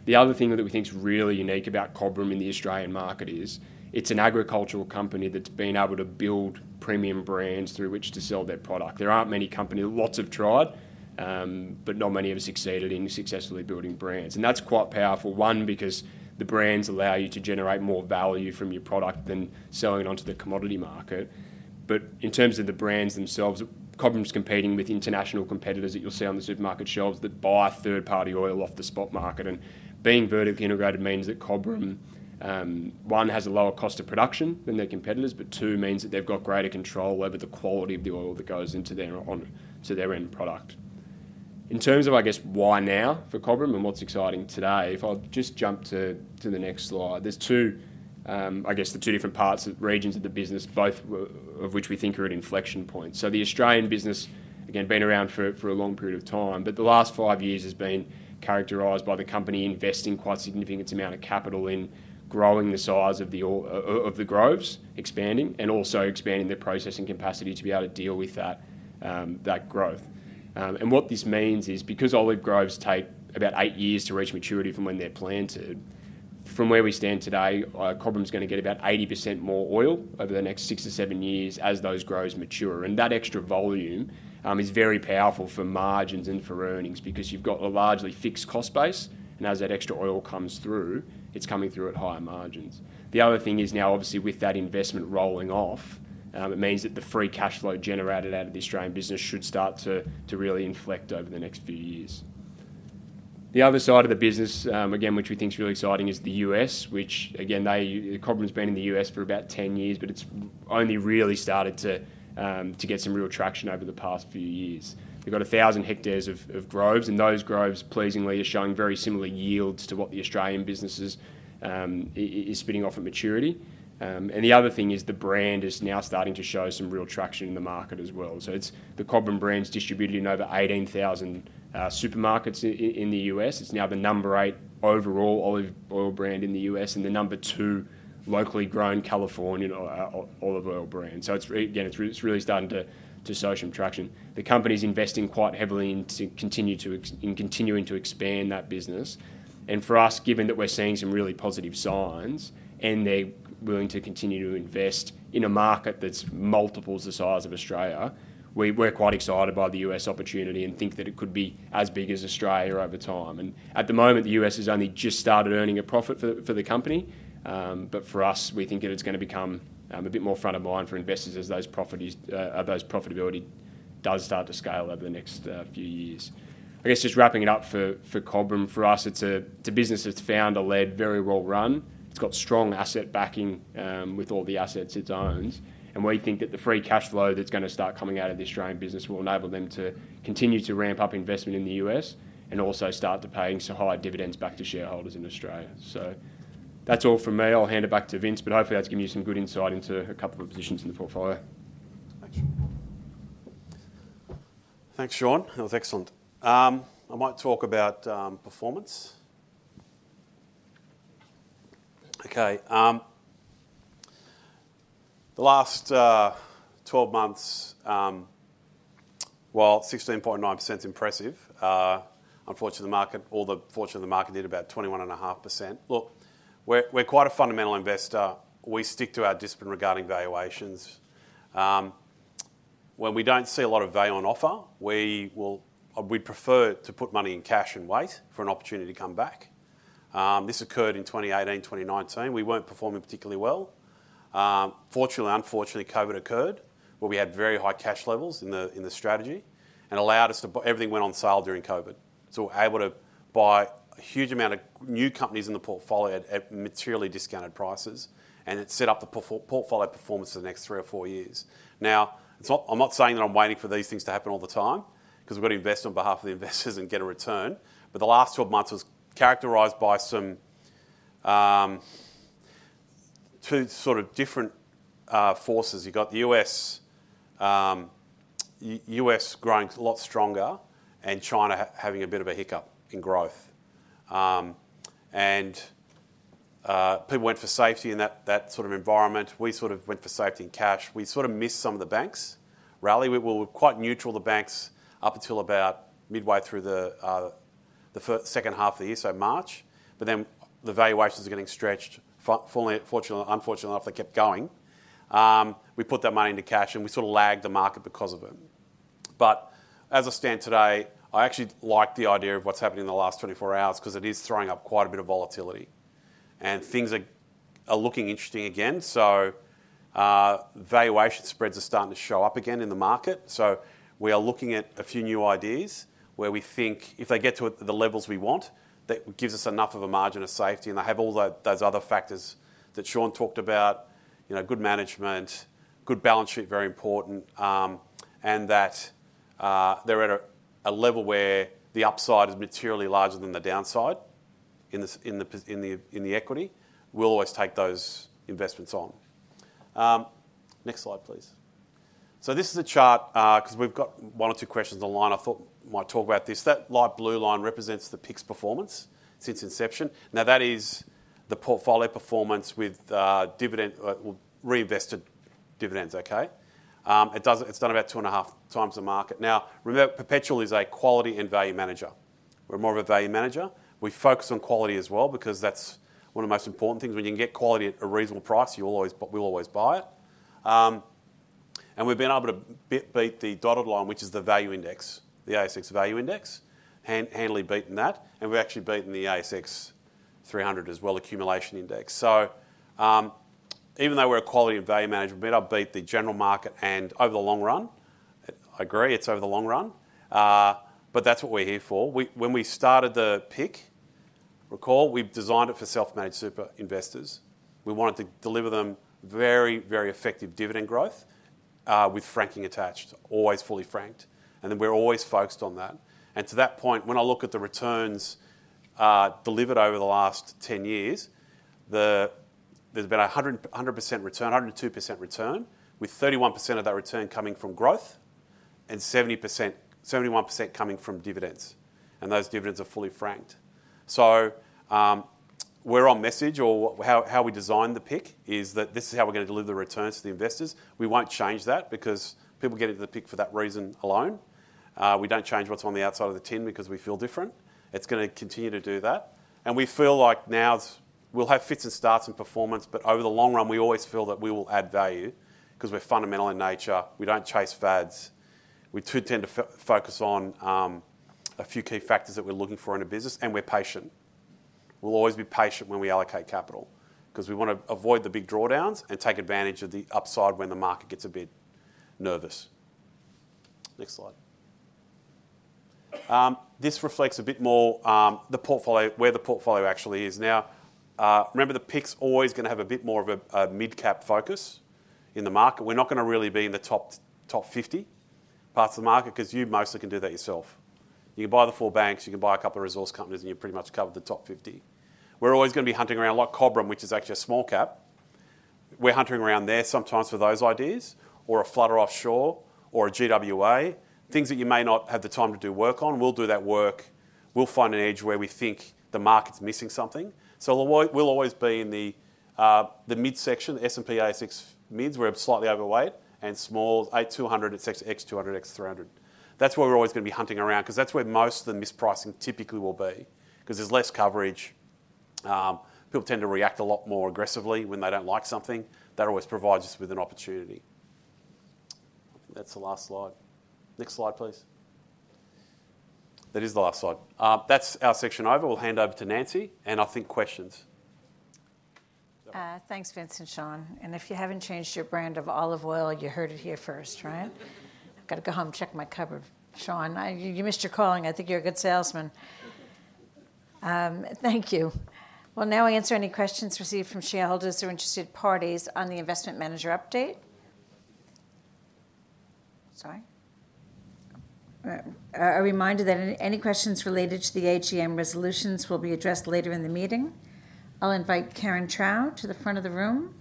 The other thing that we think is really unique about Cobram in the Australian market is it's an agricultural company that's been able to build premium brands through which to sell their product. There aren't many companies. Lots have tried, but not many have succeeded in successfully building brands. And that's quite powerful, one, because the brands allow you to generate more value from your product than selling it onto the commodity market. But in terms of the brands themselves, Cobram's competing with international competitors that you'll see on the supermarket shelves that buy third-party oil off the spot market. And being vertically integrated means that Cobram, one, has a lower cost of production than their competitors, but two, means that they've got greater control over the quality of the oil that goes into their end product. In terms of, I guess, why now for Cobram and what's exciting today, if I'll just jump to the next slide, there's two, I guess, the two different parts of regions of the business, both of which we think are at inflection points. So the Australian business, again, been around for a long period of time, but the last five years has been characterized by the company investing quite a significant amount of capital in growing the size of the groves, expanding, and also expanding their processing capacity to be able to deal with that growth. And what this means is because olive groves take about eight years to reach maturity from when they're planted, from where we stand today, Cobram's going to get about 80% more oil over the next six to seven years as those groves mature. That extra volume is very powerful for margins and for earnings because you've got a largely fixed cost base. As that extra oil comes through, it's coming through at higher margins. The other thing is now, obviously, with that investment rolling off, it means that the free cash flow generated out of the Australian business should start to really inflect over the next few years. The other side of the business, again, which we think is really exciting, is the U.S., which, again, Cobram's been in the U.S. for about 10 years, but it's only really started to get some real traction over the past few years. They've got 1,000 hectares of groves, and those groves, pleasingly, are showing very similar yields to what the Australian business is spinning off at maturity. And the other thing is the brand is now starting to show some real traction in the market as well. So the Cobram brand's distributed in over 18,000 supermarkets in the U.S. It's now the number eight overall olive oil brand in the U.S. and the number two locally grown California olive oil brand. So again, it's really starting to show some traction. The company's investing quite heavily in continuing to expand that business. And for us, given that we're seeing some really positive signs and they're willing to continue to invest in a market that's multiples the size of Australia, we're quite excited by the U.S. opportunity and think that it could be as big as Australia over time. And at the moment, the U.S. has only just started earning a profit for the company. But for us, we think it's going to become a bit more front of mind for investors as those profitability does start to scale over the next few years. I guess just wrapping it up for Cobram, for us, it's a business that's founder-led, very well run. It's got strong asset backing with all the assets it owns. And we think that the free cash flow that's going to start coming out of the Australian business will enable them to continue to ramp up investment in the U.S. and also start to pay some higher dividends back to shareholders in Australia. So that's all for me. I'll hand it back to Vince, but hopefully, that's given you some good insight into a couple of positions in the portfolio. Thanks, Sean. That was excellent. I might talk about performance. Okay. The last 12 months, well, 16.9% is impressive. Unfortunately, the market, all the fortune of the market, did about 21.5%. Look, we're quite a fundamental investor. We stick to our discipline regarding valuations. When we don't see a lot of value on offer, we prefer to put money in cash and wait for an opportunity to come back. This occurred in 2018, 2019. We weren't performing particularly well. Fortunately or unfortunately, COVID occurred, where we had very high cash levels in the strategy and allowed us to. Everything went on sale during COVID. So we were able to buy a huge amount of new companies in the portfolio at materially discounted prices, and it set up the portfolio performance for the next three or four years. Now, I'm not saying that I'm waiting for these things to happen all the time because we've got to invest on behalf of the investors and get a return. But the last 12 months was characterized by two sort of different forces. You've got the U.S. growing a lot stronger and China having a bit of a hiccup in growth. And people went for safety in that sort of environment. We sort of went for safety in cash. We sort of missed some of the banks' rally. We were quite neutral to banks up until about midway through the second half of the year, so March. But then the valuations were getting stretched. Fortunately or unfortunately enough, they kept going. We put that money into cash, and we sort of lagged the market because of it. But as I stand today, I actually like the idea of what's happened in the last 24 hours because it is throwing up quite a bit of volatility. And things are looking interesting again. Valuation spreads are starting to show up again in the market. So we are looking at a few new ideas where we think if they get to the levels we want, that gives us enough of a margin of safety. And they have all those other factors that Sean talked about: good management, good balance sheet, very important, and that they're at a level where the upside is materially larger than the downside in the equity. We'll always take those investments on. Next slide, please. So this is a chart because we've got one or two questions online. I thought we might talk about this. That light blue line represents the PIC performance since inception. Now, that is the portfolio performance with reinvested dividends, okay? It's done about two and a half times the market. Now, remember, Perpetual is a quality and value manager. We're more of a value manager. We focus on quality as well because that's one of the most important things. When you can get quality at a reasonable price, we'll always buy it. And we've been able to beat the dotted line, which is the value index, the ASX value index, handily beating that. And we've actually beaten the ASX 300 as well, accumulation index. So even though we're a quality and value manager, we've been able to beat the general market. And over the long run, I agree, it's over the long run, but that's what we're here for. When we started the PIC, recall, we designed it for self-managed super investors. We wanted to deliver them very, very effective dividend growth with franking attached, always fully franked. And then we're always focused on that. To that point, when I look at the returns delivered over the last 10 years, there's been a 100% return, 102% return, with 31% of that return coming from growth and 71% coming from dividends. And those dividends are fully franked. So we're on message, or how we designed the PIC is that this is how we're going to deliver the returns to the investors. We won't change that because people get into the PIC for that reason alone. We don't change what's on the outside of the tin because we feel different. It's going to continue to do that. And we feel like now we'll have fits and starts in performance, but over the long run, we always feel that we will add value because we're fundamental in nature. We don't chase fads. We do tend to focus on a few key factors that we're looking for in a business, and we're patient. We'll always be patient when we allocate capital because we want to avoid the big drawdowns and take advantage of the upside when the market gets a bit nervous. Next slide. This reflects a bit more where the portfolio actually is. Now, remember, the PIC is always going to have a bit more of a mid-cap focus in the market. We're not going to really be in the top 50 parts of the market because you mostly can do that yourself. You can buy the four banks. You can buy a couple of resource companies, and you've pretty much covered the top 50. We're always going to be hunting around like Cobram, which is actually a small cap. We're hunting around there sometimes for those ideas, or a Flutter Offshore, or a GWA. Things that you may not have the time to do work on, we'll do that work. We'll find an edge where we think the market's missing something. So we'll always be in the mid-section, the S&P/ASX mids, where we're slightly overweight, and smalls, ASX 200, X200, X300. That's where we're always going to be hunting around because that's where most of the mispricing typically will be because there's less coverage. People tend to react a lot more aggressively when they don't like something. That always provides us with an opportunity. I think that's the last slide. Next slide, please. That is the last slide. That's our section over. We'll hand over to Nancy, and I think questions. Thanks, Vince and Sean. If you haven't changed your brand of olive oil, you heard it here first, right? I've got to go home and check my cupboard. Sean, you missed your calling. I think you're a good salesman. Thank you. Now I answer any questions received from shareholders or interested parties on the investment manager update. Sorry. A reminder that any questions related to the AGM resolutions will be addressed later in the meeting. I'll invite Karen Trouw to the front of the room.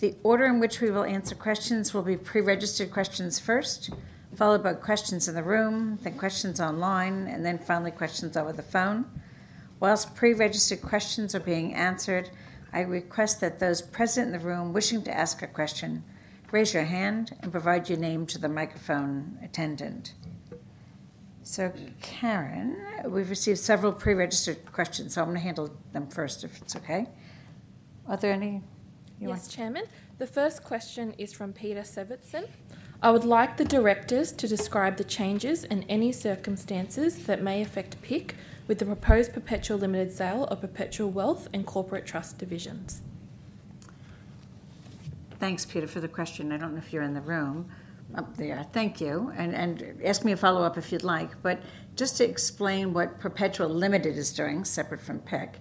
The order in which we will answer questions will be pre-registered questions first, followed by questions in the room, then questions online, and then finally questions over the phone. While pre-registered questions are being answered, I request that those present in the room wishing to ask a question raise your hand and provide your name to the microphone attendant. So, Karen, we've received several pre-registered questions, so I'm going to handle them first if it's okay. Are there any? Yes, Chairman. The first question is from Peter Severtson. I would like the directors to describe the changes and any circumstances that may affect PIC with the proposed Perpetual Limited sale of Perpetual's wealth and corporate trust divisions. Thanks, Peter, for the question. I don't know if you're in the room. Oh, there you are. Thank you. And ask me a follow-up if you'd like. But just to explain what Perpetual Limited is doing, separate from PIC,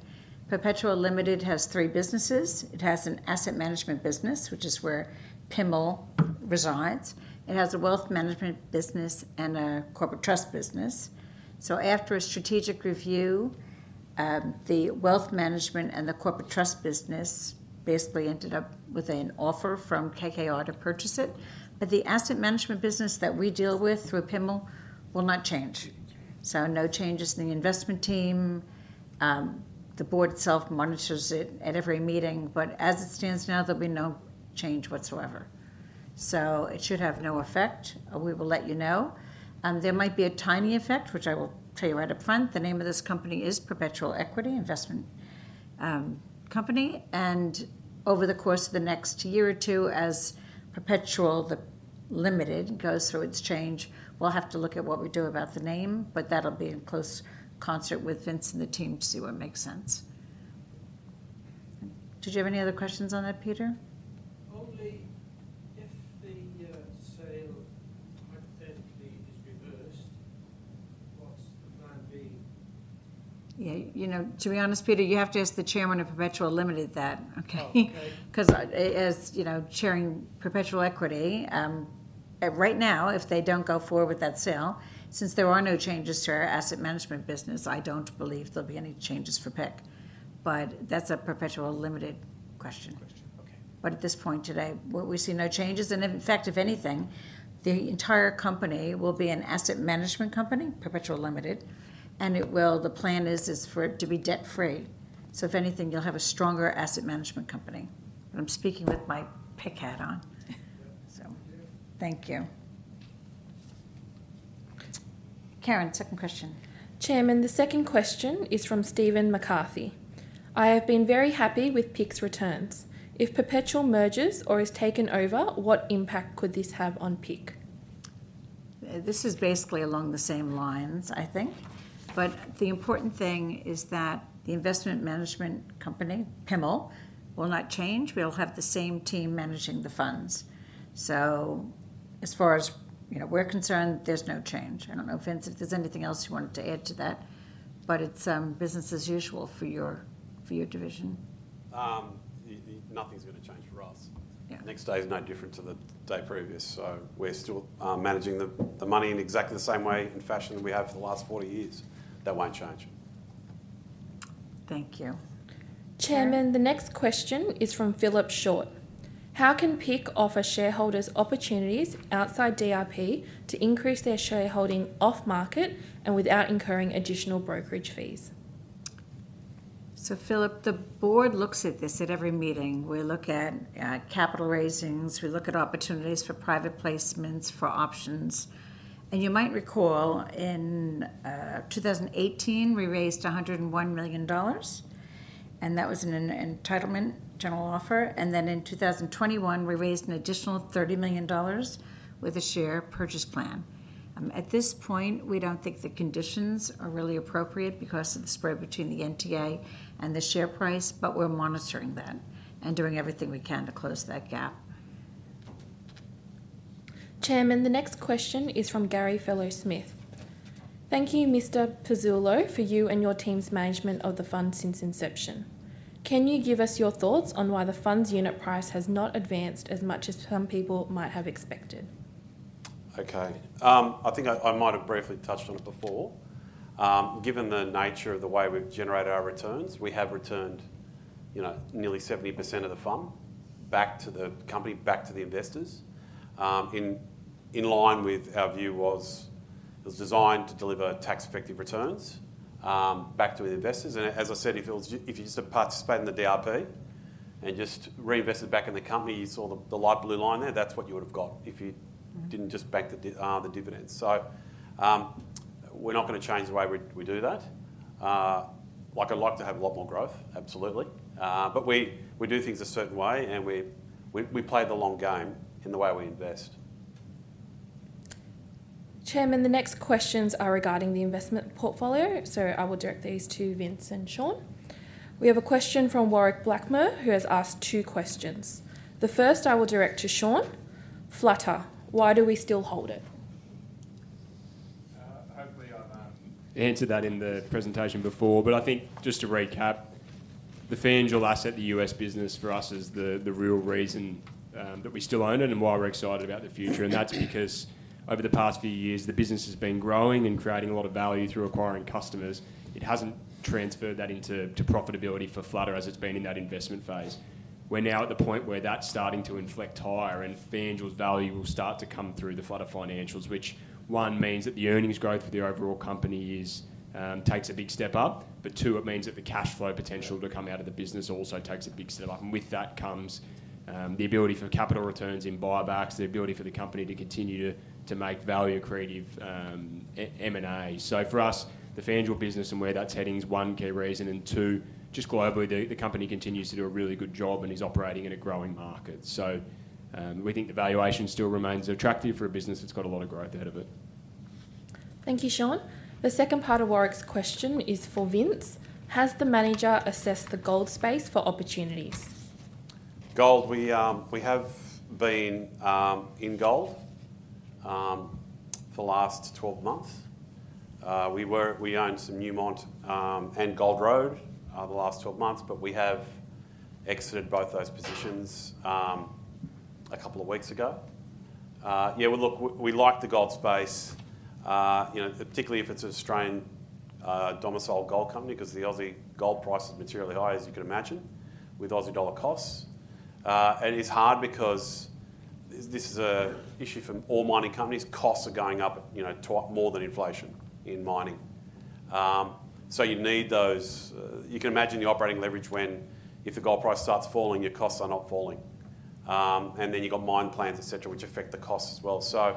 Perpetual Limited has three businesses. It has an asset management business, which is where PIML resides. It has a wealth management business and a corporate trust business. So after a strategic review, the wealth management and the corporate trust business basically ended up with an offer from KKR to purchase it. But the asset management business that we deal with through PIML will not change. So no changes in the investment team. The board itself monitors it at every meeting. But as it stands now, there'll be no change whatsoever. So it should have no effect. We will let you know. There might be a tiny effect, which I will tell you right up front. The name of this company is Perpetual Equity Investment Company. And over the course of the next year or two, as Perpetual Limited goes through its change, we'll have to look at what we do about the name, but that'll be in close concert with Vince and the team to see where it makes sense. Did you have any other questions on that, Peter? Only if the sale hypothetically is reversed, what's the plan B? Yeah. To be honest, Peter, you have to ask the chairman of Perpetual Limited that. Okay. Because as chairing Perpetual Equity, right now, if they don't go forward with that sale, since there are no changes to our asset management business, I don't believe there'll be any changes for PIC. But that's a Perpetual Limited question. But at this point today, we see no changes. And in fact, if anything, the entire company will be an asset management company, Perpetual Limited. And the plan is for it to be debt-free. So if anything, you'll have a stronger asset management company. But I'm speaking with my PIC hat on. So thank you. Karen, second question. Chairman, the second question is from Stephen McCarthy. I have been very happy with PIC returns. If Perpetual merges or is taken over, what impact could this have on PIC? This is basically along the same lines, I think. But the important thing is that the investment management company, PIML, will not change. We'll have the same team managing the funds. So as far as we're concerned, there's no change. I don't know, Vince, if there's anything else you wanted to add to that. But it's business as usual for your division. Nothing's going to change for us. Next day is no different to the day previous. So we're still managing the money in exactly the same way and fashion we have for the last 40 years. That won't change. Thank you. Chairman, the next question is from Philip Short. How can PIC offer shareholders opportunities outside DRP to increase their shareholding off-market and without incurring additional brokerage fees? So Philip, the board looks at this at every meeting. We look at capital raisings. We look at opportunities for private placements, for options. You might recall in 2018, we raised 101 million dollars. That was an entitlement general offer. Then in 2021, we raised an additional 30 million dollars with a share purchase plan. At this point, we don't think the conditions are really appropriate because of the spread between the NTA and the share price, but we're monitoring that and doing everything we can to close that gap. Chairman, the next question is from Gary Fellow Smith. Thank you, Mr. Pezzullo, for you and your team's management of the fund since inception. Can you give us your thoughts on why the fund's unit price has not advanced as much as some people might have expected? Okay. I think I might have briefly touched on it before. Given the nature of the way we've generated our returns, we have returned nearly 70% of the fund back to the company, back to the investors. In line with our view, it was designed to deliver tax-effective returns back to the investors. And as I said, if you just participate in the DRP and just reinvest it back in the company, you saw the light blue line there, that's what you would have got if you didn't just bank the dividends. So we're not going to change the way we do that. I'd like to have a lot more growth, absolutely. But we do things a certain way, and we play the long game in the way we invest. Chairman, the next questions are regarding the investment portfolio. So I will direct these to Vince and Sean. We have a question from Warwick Blackmore, who has asked two questions. The first I will direct to Sean. Flutter, why do we still hold it? Hopefully, I've answered that in the presentation before. But I think just to recap, the FanDuel asset, the US business for us is the real reason that we still own it and why we're excited about the future. And that's because over the past few years, the business has been growing and creating a lot of value through acquiring customers. It hasn't transferred that into profitability for Flutter as it's been in that investment phase. We're now at the point where that's starting to inflect higher, and FanDuel's value will start to come through the Flutter financials, which, one, means that the earnings growth for the overall company takes a big step up. But two, it means that the cash flow potential to come out of the business also takes a big step up. And with that comes the ability for capital returns in buybacks, the ability for the company to continue to make value-creative M&As. So for us, the financial business and where that's heading is one key reason. And two, just globally, the company continues to do a really good job and is operating in a growing market. So we think the valuation still remains attractive for a business that's got a lot of growth ahead of it. Thank you, Sean. The second part of Warwick's question is for Vince. Has the manager assessed the gold space for opportunities? Gold, we have been in gold for the last 12 months. We owned some Newmont and Gold Road the last 12 months, but we have exited both those positions a couple of weeks ago. Yeah, we like the gold space, particularly if it's an Australian domiciled gold company because the Aussie gold price is materially high, as you can imagine, with Aussie dollar costs. And it's hard because this is an issue for all mining companies. Costs are going up more than inflation in mining. So you need those. You can imagine the operating leverage when if the gold price starts falling, your costs are not falling. And then you've got mine plans, etc., which affect the costs as well. So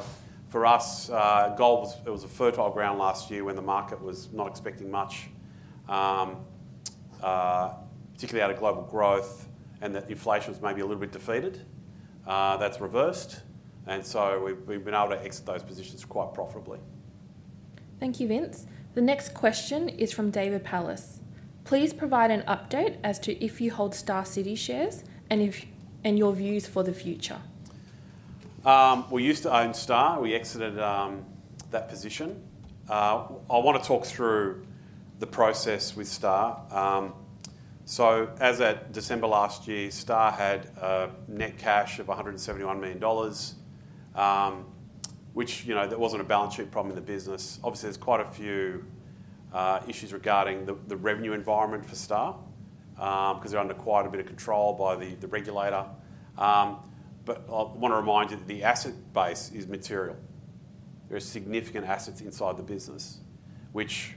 for us, gold was a fertile ground last year when the market was not expecting much, particularly out of global growth and that inflation was maybe a little bit defeated. That's reversed. And so we've been able to exit those positions quite profitably. Thank you, Vince. The next question is from David Pallas. Please provide an update as to if you hold Star City shares and your views for the future. We used to own Star. We exited that position. I want to talk through the process with Star. So as of December last year, Star had a net cash of 171 million dollars, which there wasn't a balance sheet problem in the business. Obviously, there's quite a few issues regarding the revenue environment for Star because they're under quite a bit of control by the regulator. But I want to remind you that the asset base is material. There are significant assets inside the business, which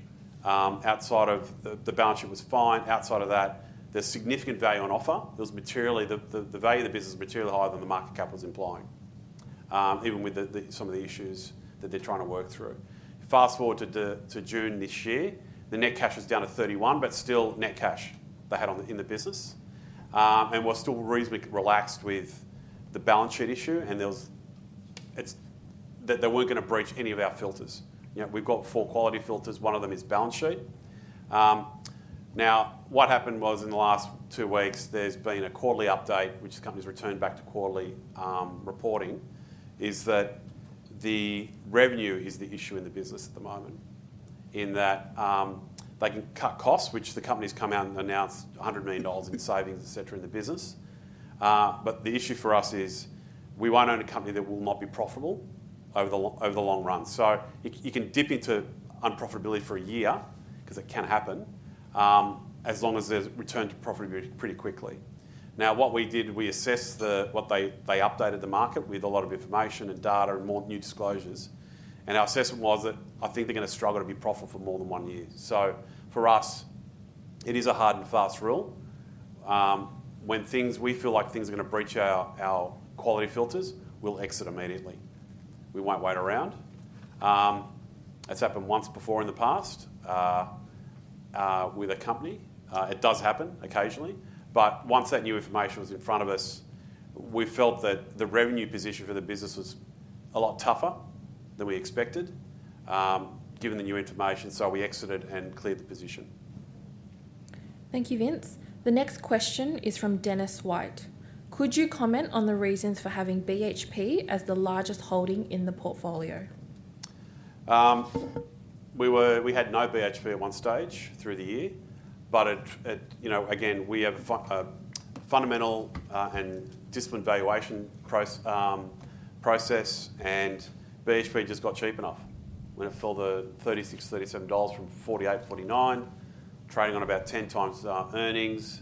outside of the balance sheet was fine. Outside of that, there's significant value on offer. The value of the business is materially higher than the market cap was implying, even with some of the issues that they're trying to work through. Fast forward to June this year, the net cash was down to 31, but still net cash they had in the business, and we're still reasonably relaxed with the balance sheet issue, and they weren't going to breach any of our filters. We've got four quality filters. One of them is balance sheet. Now, what happened was in the last two weeks, there's been a quarterly update, which the company's returned back to quarterly reporting, is that the revenue is the issue in the business at the moment, in that they can cut costs, which the company's come out and announced $100 million in savings, etc., in the business, but the issue for us is we won't own a company that will not be profitable over the long run. So you can dip into unprofitability for a year because it can happen as long as there's return to profitability pretty quickly. Now, what we did, we assessed what they updated the market with a lot of information and data and more new disclosures. And our assessment was that I think they're going to struggle to be profitable for more than one year. So for us, it is a hard and fast rule. When we feel like things are going to breach our quality filters, we'll exit immediately. We won't wait around. It's happened once before in the past with a company. It does happen occasionally. But once that new information was in front of us, we felt that the revenue position for the business was a lot tougher than we expected given the new information. So we exited and cleared the position. Thank you, Vince. The next question is from Dennis White. Could you comment on the reasons for having BHP as the largest holding in the portfolio? We had no BHP at one stage through the year. But again, we have a fundamental and disciplined valuation process, and BHP just got cheap enough. We went and filled the $36-$37 from $48-$49, trading on about 10 times our earnings.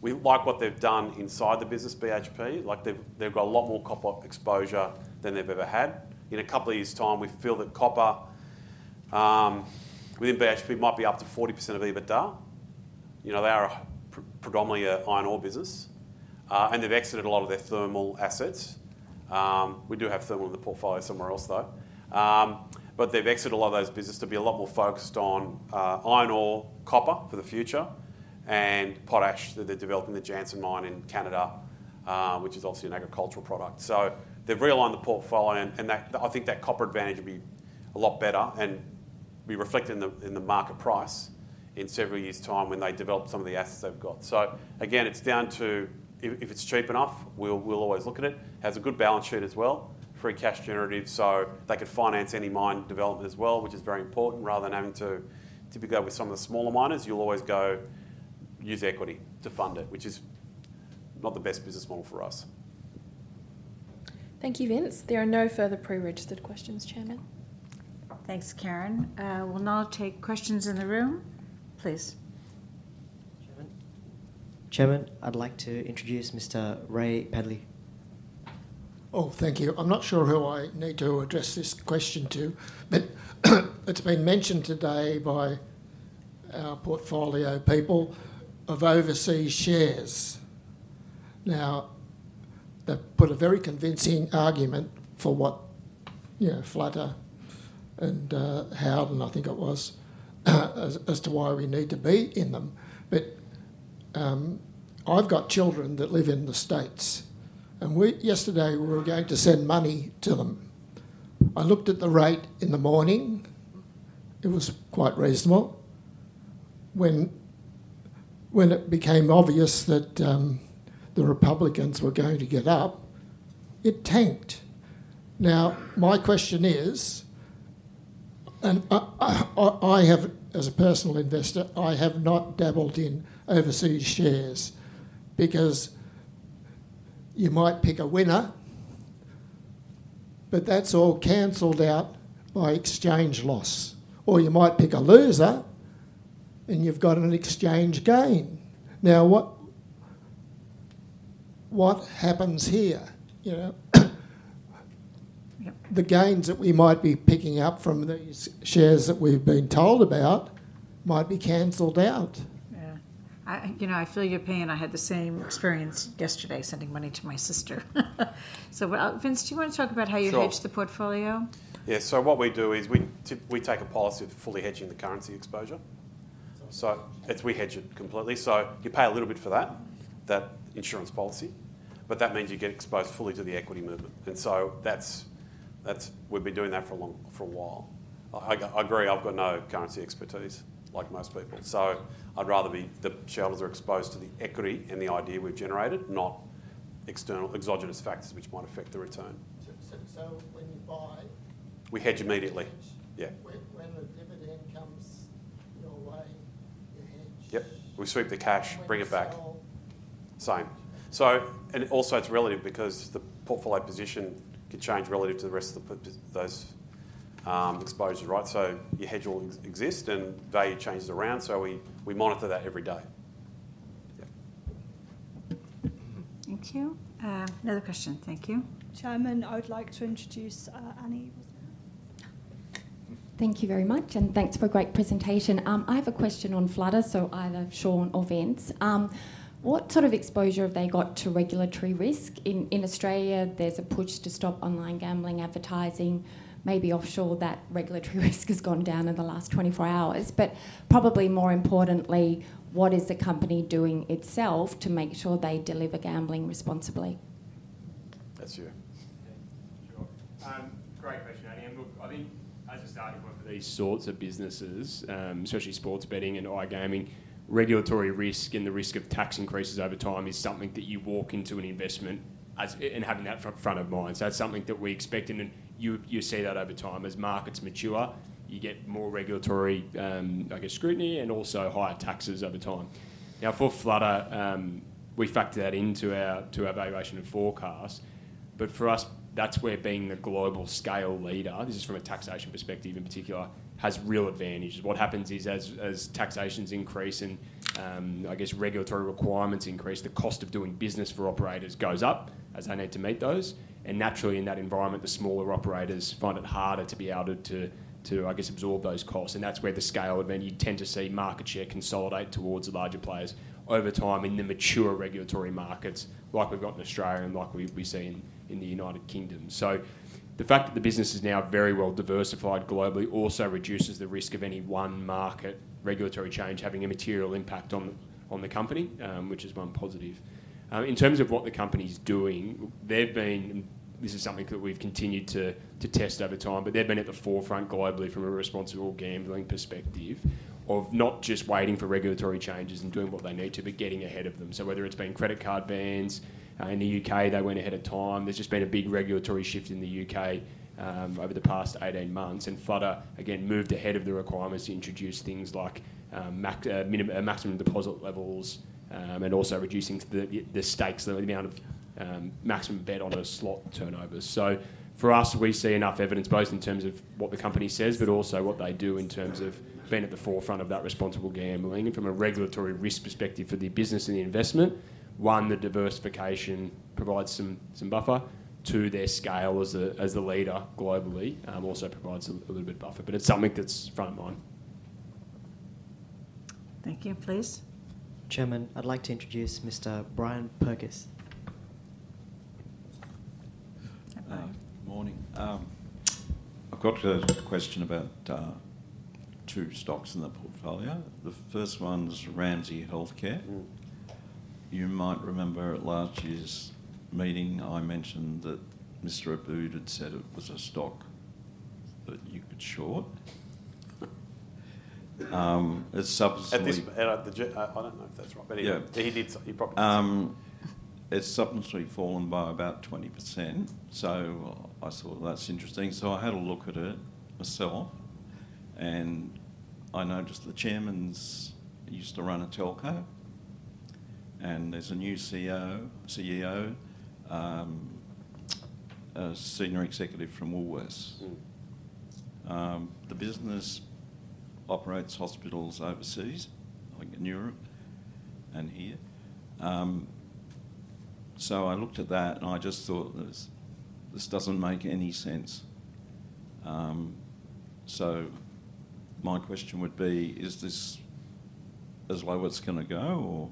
We like what they've done inside the business, BHP. They've got a lot more copper exposure than they've ever had. In a couple of years' time, we feel that copper within BHP might be up to 40% of EBITDA. They are predominantly an iron ore business, and they've exited a lot of their thermal assets. We do have thermal in the portfolio somewhere else, though. But they've exited a lot of those businesses to be a lot more focused on iron ore, copper for the future, and potash that they're developing the Jansen mine in Canada, which is obviously an agricultural product. So they've realigned the portfolio, and I think that copper advantage would be a lot better. And we reflect it in the market price in several years' time when they develop some of the assets they've got. So again, it's down to if it's cheap enough, we'll always look at it. It has a good balance sheet as well, free cash generative. So they could finance any mine development as well, which is very important. Rather than having to typically go with some of the smaller miners, you'll always go use equity to fund it, which is not the best business model for us. Thank you, Vince. There are no further pre-registered questions, Chairman. Thanks, Karen. We'll now take questions in the room. Please. Chairman, I'd like to introduce Mr. Ray Pedley. Oh, thank you. I'm not sure who I need to address this question to. But it's been mentioned today by our portfolio people of overseas shares. Now, they put a very convincing argument for what Flutter and Howden, I think it was, as to why we need to be in them. But I've got children that live in the States. And yesterday, we were going to send money to them. I looked at the rate in the morning. It was quite reasonable. When it became obvious that the Republicans were going to get up, it tanked. Now, my question is, and as a personal investor, I have not dabbled in overseas shares because you might pick a winner, but that's all canceled out by exchange loss. Or you might pick a loser, and you've got an exchange gain. Now, what happens here? The gains that we might be picking up from these shares that we've been told about might be canceled out. Yeah. I feel your pain. I had the same experience yesterday sending money to my sister. So, Vince, do you want to talk about how you hedge the portfolio? Yeah. So what we do is we take a policy of fully hedging the currency exposure. So we hedge it completely. So you pay a little bit for that, that insurance policy. But that means you get exposed fully to the equity movement. And so we've been doing that for a while. I agree. I've got no currency expertise like most people. So I'd rather the shareholders are exposed to the equity and the idea we've generated, not exogenous factors which might affect the return. So when you buy, we hedge immediately. Yeah. When the dividend comes your way, you hedge. Yep. We sweep the cash, bring it back. Same. And also, it's relative because the portfolio position can change relative to the rest of those exposures, right? So your hedge will exist, and value changes around. So we monitor that every day. Thank you. Another question. Thank you. Chairman, I'd like to introduce Annie. Thank you very much. And thanks for a great presentation. I have a question on Flutter, so either Sean or Vince. What sort of exposure have they got to regulatory risk? In Australia, there's a push to stop online gambling advertising. Maybe offshore, that regulatory risk has gone down in the last 24 hours. But probably more importantly, what is the company doing itself to make sure they deliver gambling responsibly? That's you. Sure. Great question, Annie. And look, I think as a starting point for these sorts of businesses, especially sports betting and iGaming, regulatory risk and the risk of tax increases over time is something that you walk into an investment and have that front of mind. So that's something that we expect. And you see that over time. As markets mature, you get more regulatory, I guess, scrutiny and also higher taxes over time. Now, for Flutter, we factor that into our valuation and forecast. But for us, that's where being the global scale leader, this is from a taxation perspective in particular, has real advantages. What happens is, as taxations increase and, I guess, regulatory requirements increase, the cost of doing business for operators goes up as they need to meet those. And naturally, in that environment, the smaller operators find it harder to be able to, I guess, absorb those costs. And that's where the scale of it. You tend to see market share consolidate towards the larger players over time in the mature regulatory markets like we've got in Australia and like we've seen in the United Kingdom. So the fact that the business is now very well diversified globally also reduces the risk of any one market regulatory change having a material impact on the company, which is one positive. In terms of what the company's doing, this is something that we've continued to test over time, but they've been at the forefront globally from a responsible gambling perspective of not just waiting for regulatory changes and doing what they need to, but getting ahead of them. So whether it's been credit card bans in the U.K., they went ahead of time. There's just been a big regulatory shift in the U.K. over the past 18 months. And Flutter, again, moved ahead of the requirements to introduce things like maximum deposit levels and also reducing the stakes, the amount of maximum bet on a slot turnover. So for us, we see enough evidence both in terms of what the company says, but also what they do in terms of being at the forefront of that responsible gambling. From a regulatory risk perspective for the business and the investment, one, the diversification provides some buffer. Two, their scale as a leader globally also provides a little bit of buffer. But it's something that's front of mind. Thank you. Please. Chairman, I'd like to introduce Mr. Brian Perkis. Good morning. I've got a question about two stocks in the portfolio. The first one's Ramsay Health Care. You might remember at last year's meeting, I mentioned that Mr. Aboud had said it was a stock that you could short. It's substantively. I don't know if that's right, but he did. It's substantively fallen by about 20%. So I thought that's interesting. So I had a look at it myself. And I noticed the chairman's used to run a telco. And there's a new CEO, a senior executive from Woolworths. The business operates hospitals overseas, like in Europe and here. So I looked at that, and I just thought, "This doesn't make any sense." So my question would be, is this as low as it's going to go,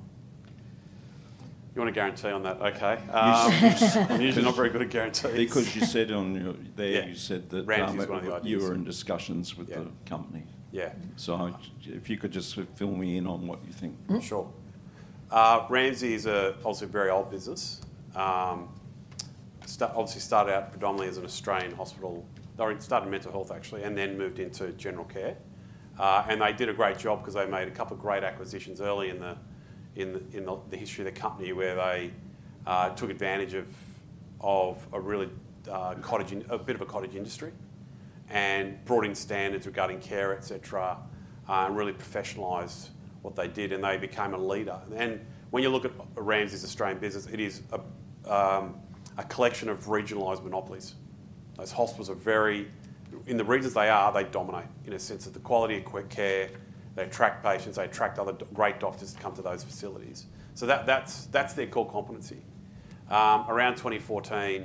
or? You want a guarantee on that? Okay. I'm usually not very good at guarantees. Because you said on there, you said that you were in discussions with the company. Yeah. So if you could just fill me in on what you think. Sure. Ramsay is obviously a very old business. Obviously started out predominantly as an Australian hospital or started in mental health, actually, and then moved into general care. And they did a great job because they made a couple of great acquisitions early in the history of the company where they took advantage of a bit of a cottage industry and brought in standards regarding care, etc., and really professionalized what they did. And they became a leader. When you look at Ramsay's Australian business, it is a collection of regionalized monopolies. Those hospitals are very, in the regions they are, they dominate in a sense of the quality of care. They attract patients. They attract other great doctors to come to those facilities. So that's their core competency. Around 2014,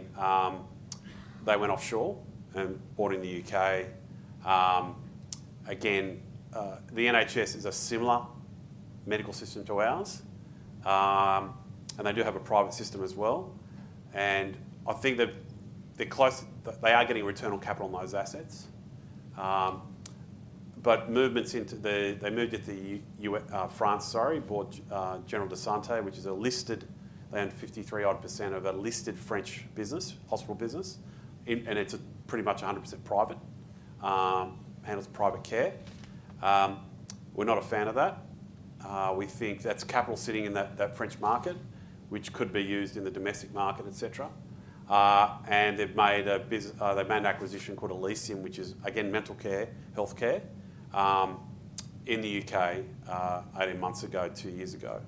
they went offshore and bought in the UK. Again, the NHS is a similar medical system to ours. And they do have a private system as well. And I think they're close. They are getting return on capital on those assets. But movements into the—they moved into France, sorry, bought Ramsay Santé, which is a listed—they own 53-odd% of a listed French business, hospital business. And it's pretty much 100% private. And it's private care. We're not a fan of that. We think that's capital sitting in that French market, which could be used in the domestic market, etc. And they've made an acquisition called Elysium, which is, again, mental care, healthcare in the UK, eight months ago, two years ago.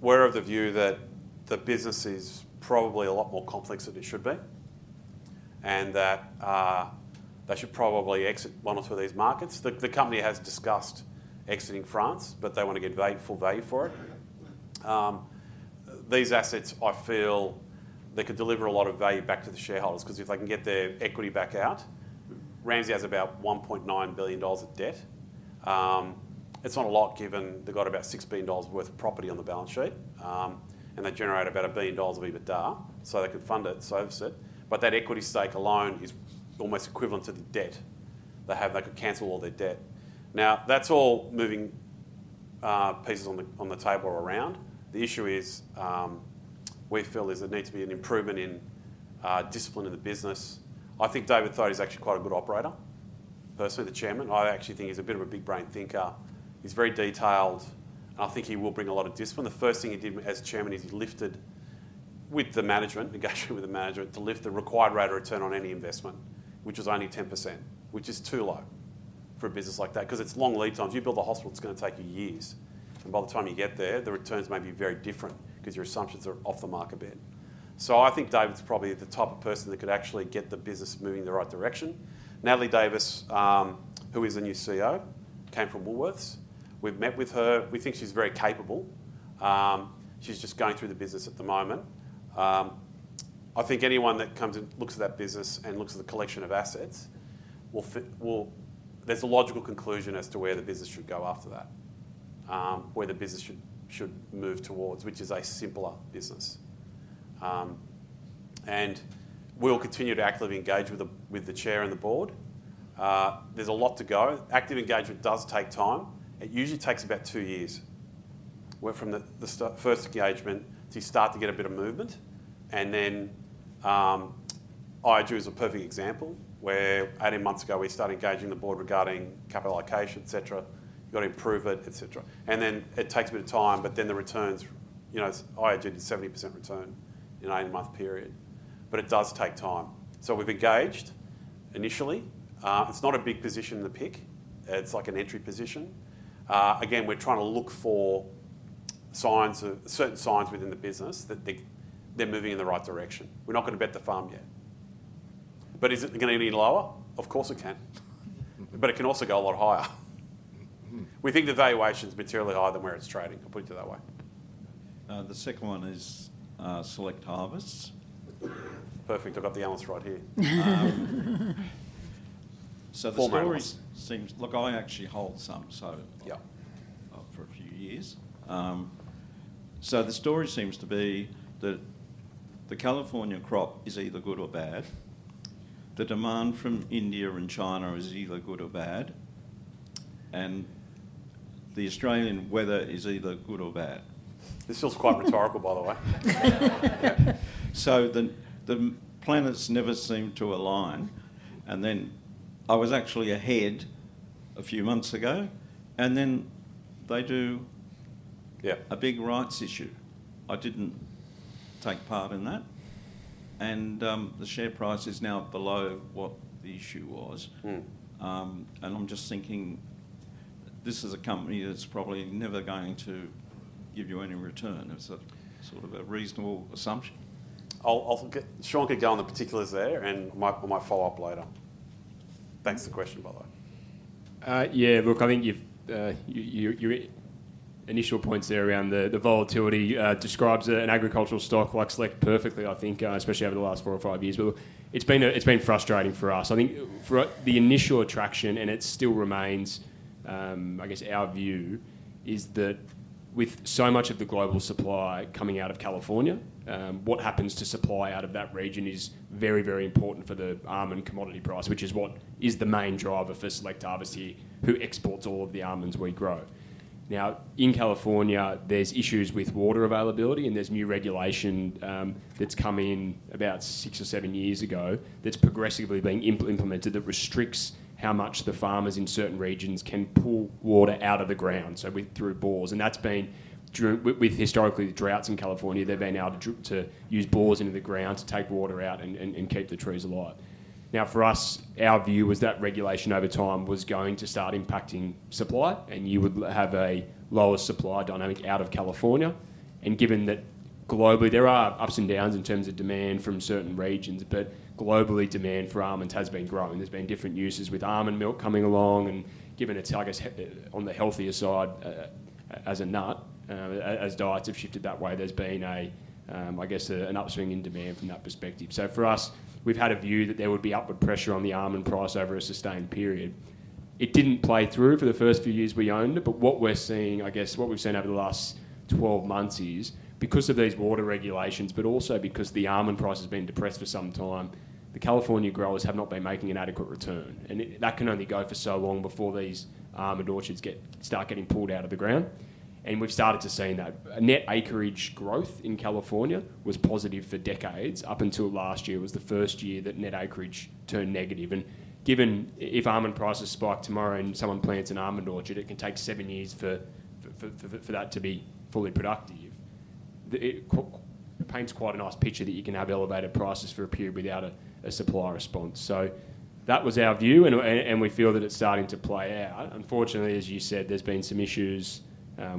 We're of the view that the business is probably a lot more complex than it should be and that they should probably exit one or two of these markets. The company has discussed exiting France, but they want to get full value for it. These assets, I feel they could deliver a lot of value back to the shareholders because if they can get their equity back out. Ramsay has about 1.9 billion dollars of debt. It's not a lot given they've got about 6 billion dollars worth of property on the balance sheet. And they generate about 1 billion dollars of EBITDA. So they could fund it, so it's it. But that equity stake alone is almost equivalent to the debt they have. They could cancel all their debt. Now, that's all moving pieces on the table around. The issue is we feel there needs to be an improvement in discipline in the business. I think David Thodey is actually quite a good operator, personally, the chairman. I actually think he's a bit of a big-brain thinker. He's very detailed. And I think he will bring a lot of discipline. The first thing he did as chairman is he lifted, with the management, negotiating with the management, to lift the required rate of return on any investment, which was only 10%, which is too low for a business like that. Because it's long lead times. You build a hospital, it's going to take you years. And by the time you get there, the returns may be very different because your assumptions are off the mark a bit. So I think David's probably the type of person that could actually get the business moving in the right direction. Natalie Davis, who is the new CEO, came from Woolworths. We've met with her. We think she's very capable. She's just going through the business at the moment. I think anyone that comes and looks at that business and looks at the collection of assets, there's a logical conclusion as to where the business should go after that, where the business should move towards, which is a simpler business. And we'll continue to actively engage with the chair and the board. There's a lot to go. Active engagement does take time. It usually takes about two years from the first engagement to start to get a bit of movement. And then IAG is a perfect example where eight months ago we started engaging the board regarding capital allocation, etc. You've got to improve it, etc. And then it takes a bit of time, but then the returns. IAG did 70% return in an eight-month period. But it does take time. So we've engaged initially. It's not a big position to pick. It's like an entry position. Again, we're trying to look for certain signs within the business that they're moving in the right direction. We're not going to bet the farm yet. But is it going to be any lower? Of course it can. But it can also go a lot higher. We think the valuation's materially higher than where it's trading. I'll put it that way. The second one is Select Harvests. Perfect. I've got the answer right here. So the story seems, look, I actually hold some, so for a few years. So the story seems to be that the California crop is either good or bad. The demand from India and China is either good or bad. And the Australian weather is either good or bad. This feels quite rhetorical, by the way. So the planets never seem to align. And then I was actually ahead a few months ago. And then they do a big rights issue. I didn't take part in that. And the share price is now below what the issue was. And I'm just thinking this is a company that's probably never going to give you any return. It's sort of a reasonable assumption. Sean could go on the particulars there, and I might follow up later. That's the question, by the way. Yeah. Look, I think your initial points there around the volatility describes an agricultural stock like Select Harvests perfectly, I think, especially over the last four or five years. But it's been frustrating for us. I think the initial attraction, and it still remains, I guess, our view, is that with so much of the global supply coming out of California, what happens to supply out of that region is very, very important for the almond commodity price, which is what is the main driver for Select Harvests here, who exports all of the almonds we grow. Now, in California, there's issues with water availability, and there's new regulation that's come in about six or seven years ago that's progressively being implemented that restricts how much the farmers in certain regions can pull water out of the ground, so through bores. And that's been, with historically the droughts in California, they've been able to use bores into the ground to take water out and keep the trees alive. Now, for us, our view was that regulation over time was going to start impacting supply, and you would have a lower supply dynamic out of California. And given that globally, there are ups and downs in terms of demand from certain regions, but globally, demand for almonds has been growing. There's been different uses with almond milk coming along. And given it's, I guess, on the healthier side as a nut, as diets have shifted that way, there's been, I guess, an upswing in demand from that perspective. So for us, we've had a view that there would be upward pressure on the almond price over a sustained period. It didn't play through for the first few years we owned it. But what we're seeing, I guess, what we've seen over the last 12 months is, because of these water regulations, but also because the almond price has been depressed for some time, the California growers have not been making an adequate return. And that can only go for so long before these almond orchards start getting pulled out of the ground. And we've started to see that. Net acreage growth in California was positive for decades. Up until last year, it was the first year that net acreage turned negative. And given if almond prices spike tomorrow and someone plants an almond orchard, it can take seven years for that to be fully productive. It paints quite a nice picture that you can have elevated prices for a period without a supply response. So that was our view, and we feel that it's starting to play out. Unfortunately, as you said, there's been some issues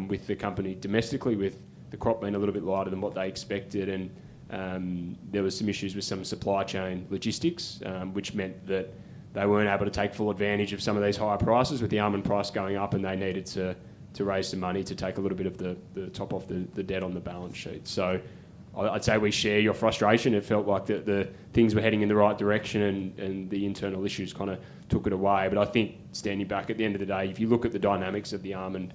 with the company domestically, with the crop being a little bit lighter than what they expected, and there were some issues with some supply chain logistics, which meant that they weren't able to take full advantage of some of these higher prices with the almond price going up, and they needed to raise some money to take a little bit of the top off the debt on the balance sheet, so I'd say we share your frustration. It felt like that the things were heading in the right direction, and the internal issues kind of took it away, but I think, standing back at the end of the day, if you look at the dynamics of the almond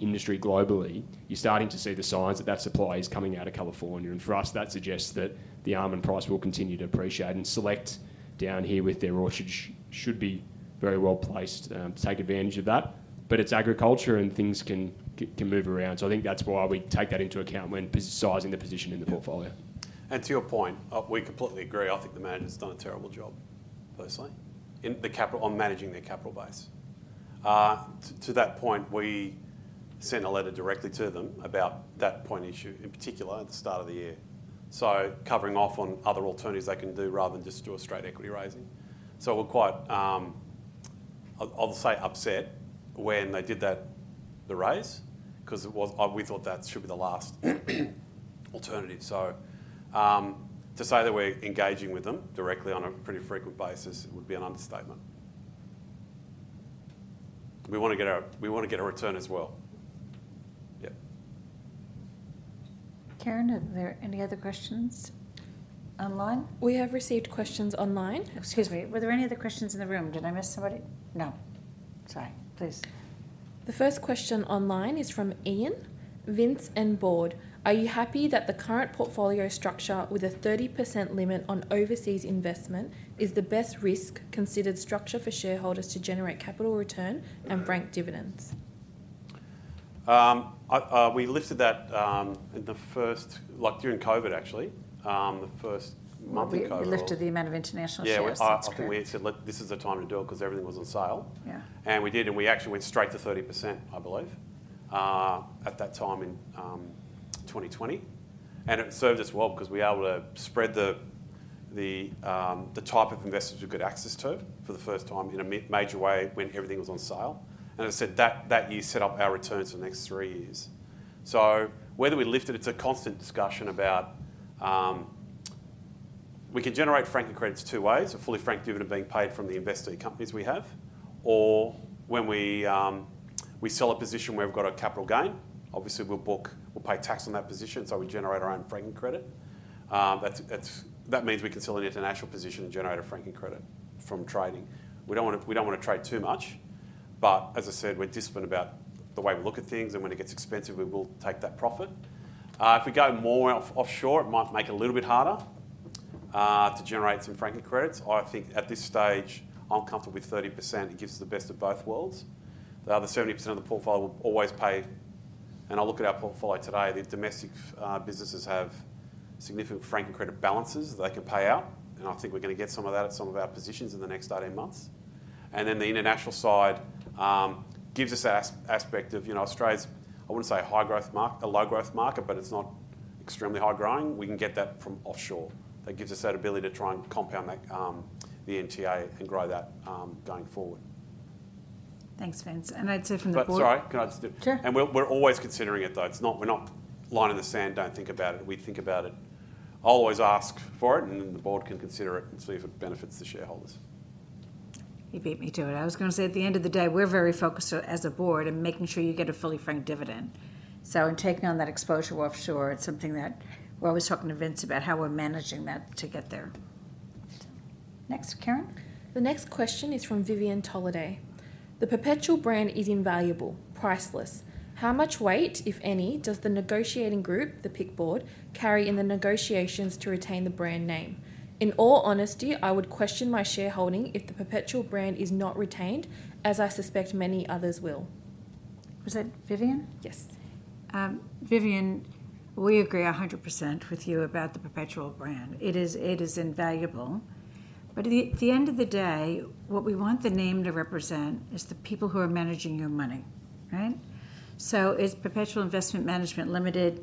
industry globally, you're starting to see the signs that that supply is coming out of California. For us, that suggests that the almond price will continue to appreciate. Select down here with their orchards should be very well placed to take advantage of that. It's agriculture, and things can move around. I think that's why we take that into account when sizing the position in the portfolio. To your point, we completely agree. I think the manager's done a terrible job, personally, on managing their capital base. To that point, we sent a letter directly to them about that point issue in particular at the start of the year, so covering off on other alternatives they can do rather than just do a straight equity raising. We're quite, I'll say, upset when they did the raise because we thought that should be the last alternative. So to say that we're engaging with them directly on a pretty frequent basis would be an understatement. We want to get a—we want to get a return as well. Yeah. Karen, are there any other questions online? We have received questions online. Excuse me. Were there any other questions in the room? Did I miss somebody? No. Sorry. Please. The first question online is from Ian. Vince and the board, are you happy that the current portfolio structure with a 30% limit on overseas investment is the best risk considered structure for shareholders to generate capital return and franked dividends? We lifted that in the first, like during COVID, actually, the first month in COVID. You lifted the amount of international shares? Yeah. It's kind of weird. So this is the time to do it because everything was on sale. And we did, and we actually went straight to 30%, I believe, at that time in 2020. And it served us well because we were able to spread the type of investors we could access to for the first time in a major way when everything was on sale. And as I said, that year set up our returns for the next three years. So whether we lift it, it's a constant discussion about we can generate franking credits two ways: a fully franked dividend being paid from the investor companies we have, or when we sell a position where we've got a capital gain, obviously we'll pay tax on that position, so we generate our own franking credit. That means we can sell an international position and generate a franking credit from trading. We don't want to trade too much, but as I said, we're disciplined about the way we look at things, and when it gets expensive, we will take that profit. If we go more offshore, it might make it a little bit harder to generate some franking credits. I think at this stage, I'm comfortable with 30%. It gives us the best of both worlds. The other 70% of the portfolio will always pay. And I look at our portfolio today, the domestic businesses have significant franking credit balances they can pay out. And I think we're going to get some of that at some of our positions in the next 18 months. And then the international side gives us that aspect of Australia's, I wouldn't say a high-growth market, a low-growth market, but it's not extremely high-growing. We can get that from offshore. That gives us that ability to try and compound the NTA and grow that going forward. Thanks, Vince. And I'd say from the board. Sorry. Can I just do? Sure. And we're always considering it, though. We're not drawing a line in the sand, don't think about it. We think about it. I'll always ask for it, and the board can consider it and see if it benefits the shareholders. You beat me to it. I was going to say, at the end of the day, we're very focused as a board on making sure you get a fully franked dividend. So in taking on that exposure offshore, it's something that we're always talking to Vince about, how we're managing that to get there. Next, Karen. The next question is from Vivian Toliday. The Perpetual brand is invaluable, priceless. How much weight, if any, does the negotiating group, the PIC board, carry in the negotiations to retain the brand name? In all honesty, I would question my shareholding if the Perpetual brand is not retained, as I suspect many others will. Was that Vivian? Yes. Vivian, we agree 100% with you about the Perpetual brand. It is invaluable. But at the end of the day, what we want the name to represent is the people who are managing your money, right? So is Perpetual Investment Management Limited,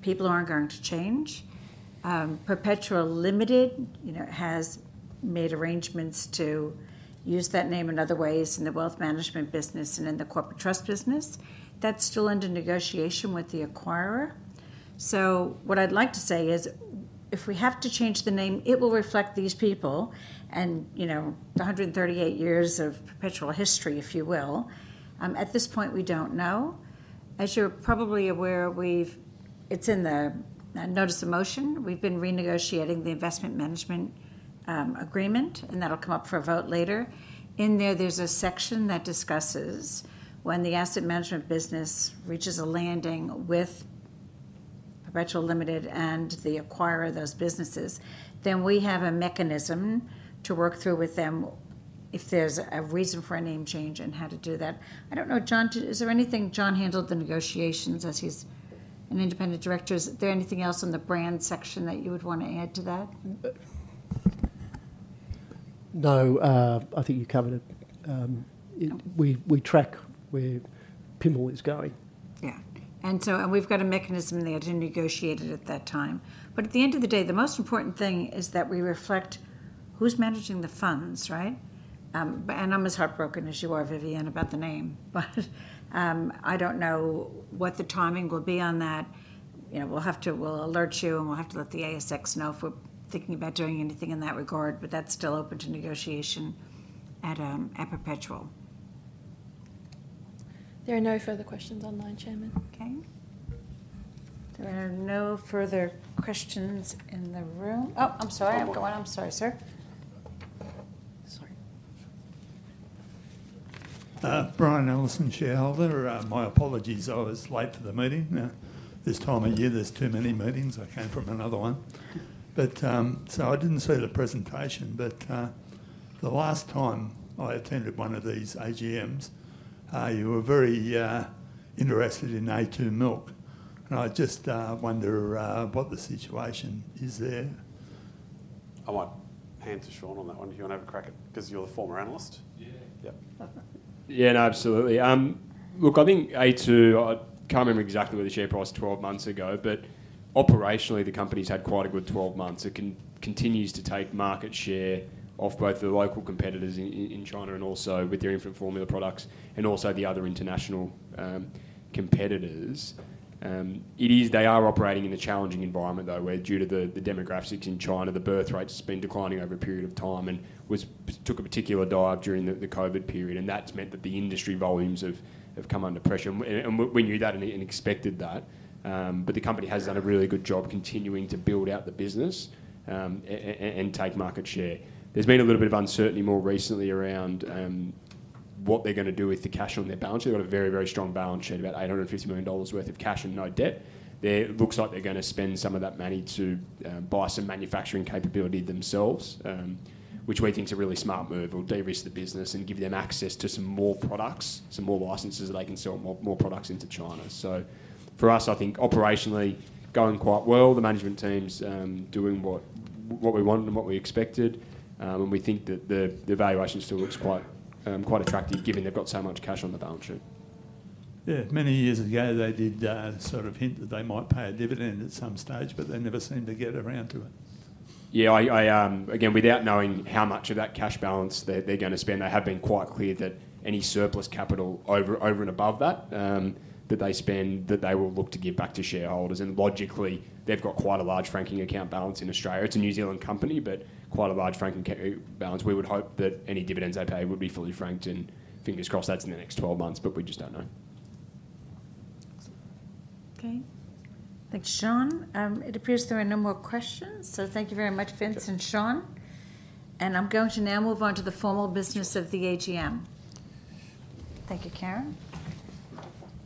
people aren't going to change. Perpetual Limited has made arrangements to use that name in other ways in the wealth management business and in the corporate trust business. That's still under negotiation with the acquirer. So what I'd like to say is, if we have to change the name, it will reflect these people and the 138 years of perpetual history, if you will. At this point, we don't know. As you're probably aware, it's in the notice of motion. We've been renegotiating the investment management agreement, and that'll come up for a vote later. In there, there's a section that discusses when the asset management business reaches a landing with Perpetual Limited and the acquirer of those businesses. Then we have a mechanism to work through with them if there's a reason for a name change and how to do that. I don't know, John. Is there anything? John handled the negotiations as he's an independent director. Is there anything else in the brand section that you would want to add to that? No. I think you covered it. We track where PIML is going. Yeah. And we've got a mechanism there to negotiate it at that time. But at the end of the day, the most important thing is that we reflect who's managing the funds, right? And I'm as heartbroken as you are, Vivian, about the name. But I don't know what the timing will be on that. We'll alert you, and we'll have to let the ASX know if we're thinking about doing anything in that regard. But that's still open to negotiation at Perpetual. There are no further questions online, Chairman. Okay. There are no further questions in the room. Oh, I'm sorry. I'm going. I'm sorry, sir. Sorry. Brian Ellison, shareholder. My apologies. I was late for the meeting. This time of year, there's too many meetings. I came from another one. So I didn't see the presentation. But the last time I attended one of these AGMs, you were very interested in A2 milk. And I just wonder what the situation is there. I might hand to Sean on that one. Do you want to have a crack at it? Because you're the former analyst. Yeah. Yeah. No, absolutely. Look, I think A2. I can't remember exactly where the share price was 12 months ago, but operationally, the company's had quite a good 12 months. It continues to take market share off both the local competitors in China and also with their infant formula products and also the other international competitors. They are operating in a challenging environment, though, where due to the demographics in China, the birth rate's been declining over a period of time and took a particular dive during the COVID period. And that's meant that the industry volumes have come under pressure. We knew that and expected that. But the company has done a really good job continuing to build out the business and take market share. There's been a little bit of uncertainty more recently around what they're going to do with the cash on their balance sheet. They've got a very, very strong balance sheet, about $850 million worth of cash and no debt. It looks like they're going to spend some of that money to buy some manufacturing capability themselves, which we think is a really smart move. It'll de-risk the business and give them access to some more products, some more licenses that they can sell more products into China. For us, I think operationally, going quite well, the management team's doing what we want and what we expected. And we think that the valuation still looks quite attractive given they've got so much cash on the balance sheet. Yeah. Many years ago, they did sort of hint that they might pay a dividend at some stage, but they never seemed to get around to it. Yeah. Again, without knowing how much of that cash balance they're going to spend, they have been quite clear that any surplus capital over and above that that they spend, that they will look to give back to shareholders. And logically, they've got quite a large franking account balance in Australia. It's a New Zealand company, but quite a large franking account balance. We would hope that any dividends they pay would be fully franked and fingers crossed that's in the next 12 months, but we just don't know. Okay. Thanks, Sean. It appears there are no more questions. Thank you very much, Vince and Sean. I'm going to now move on to the formal business of the AGM. Thank you, Karen.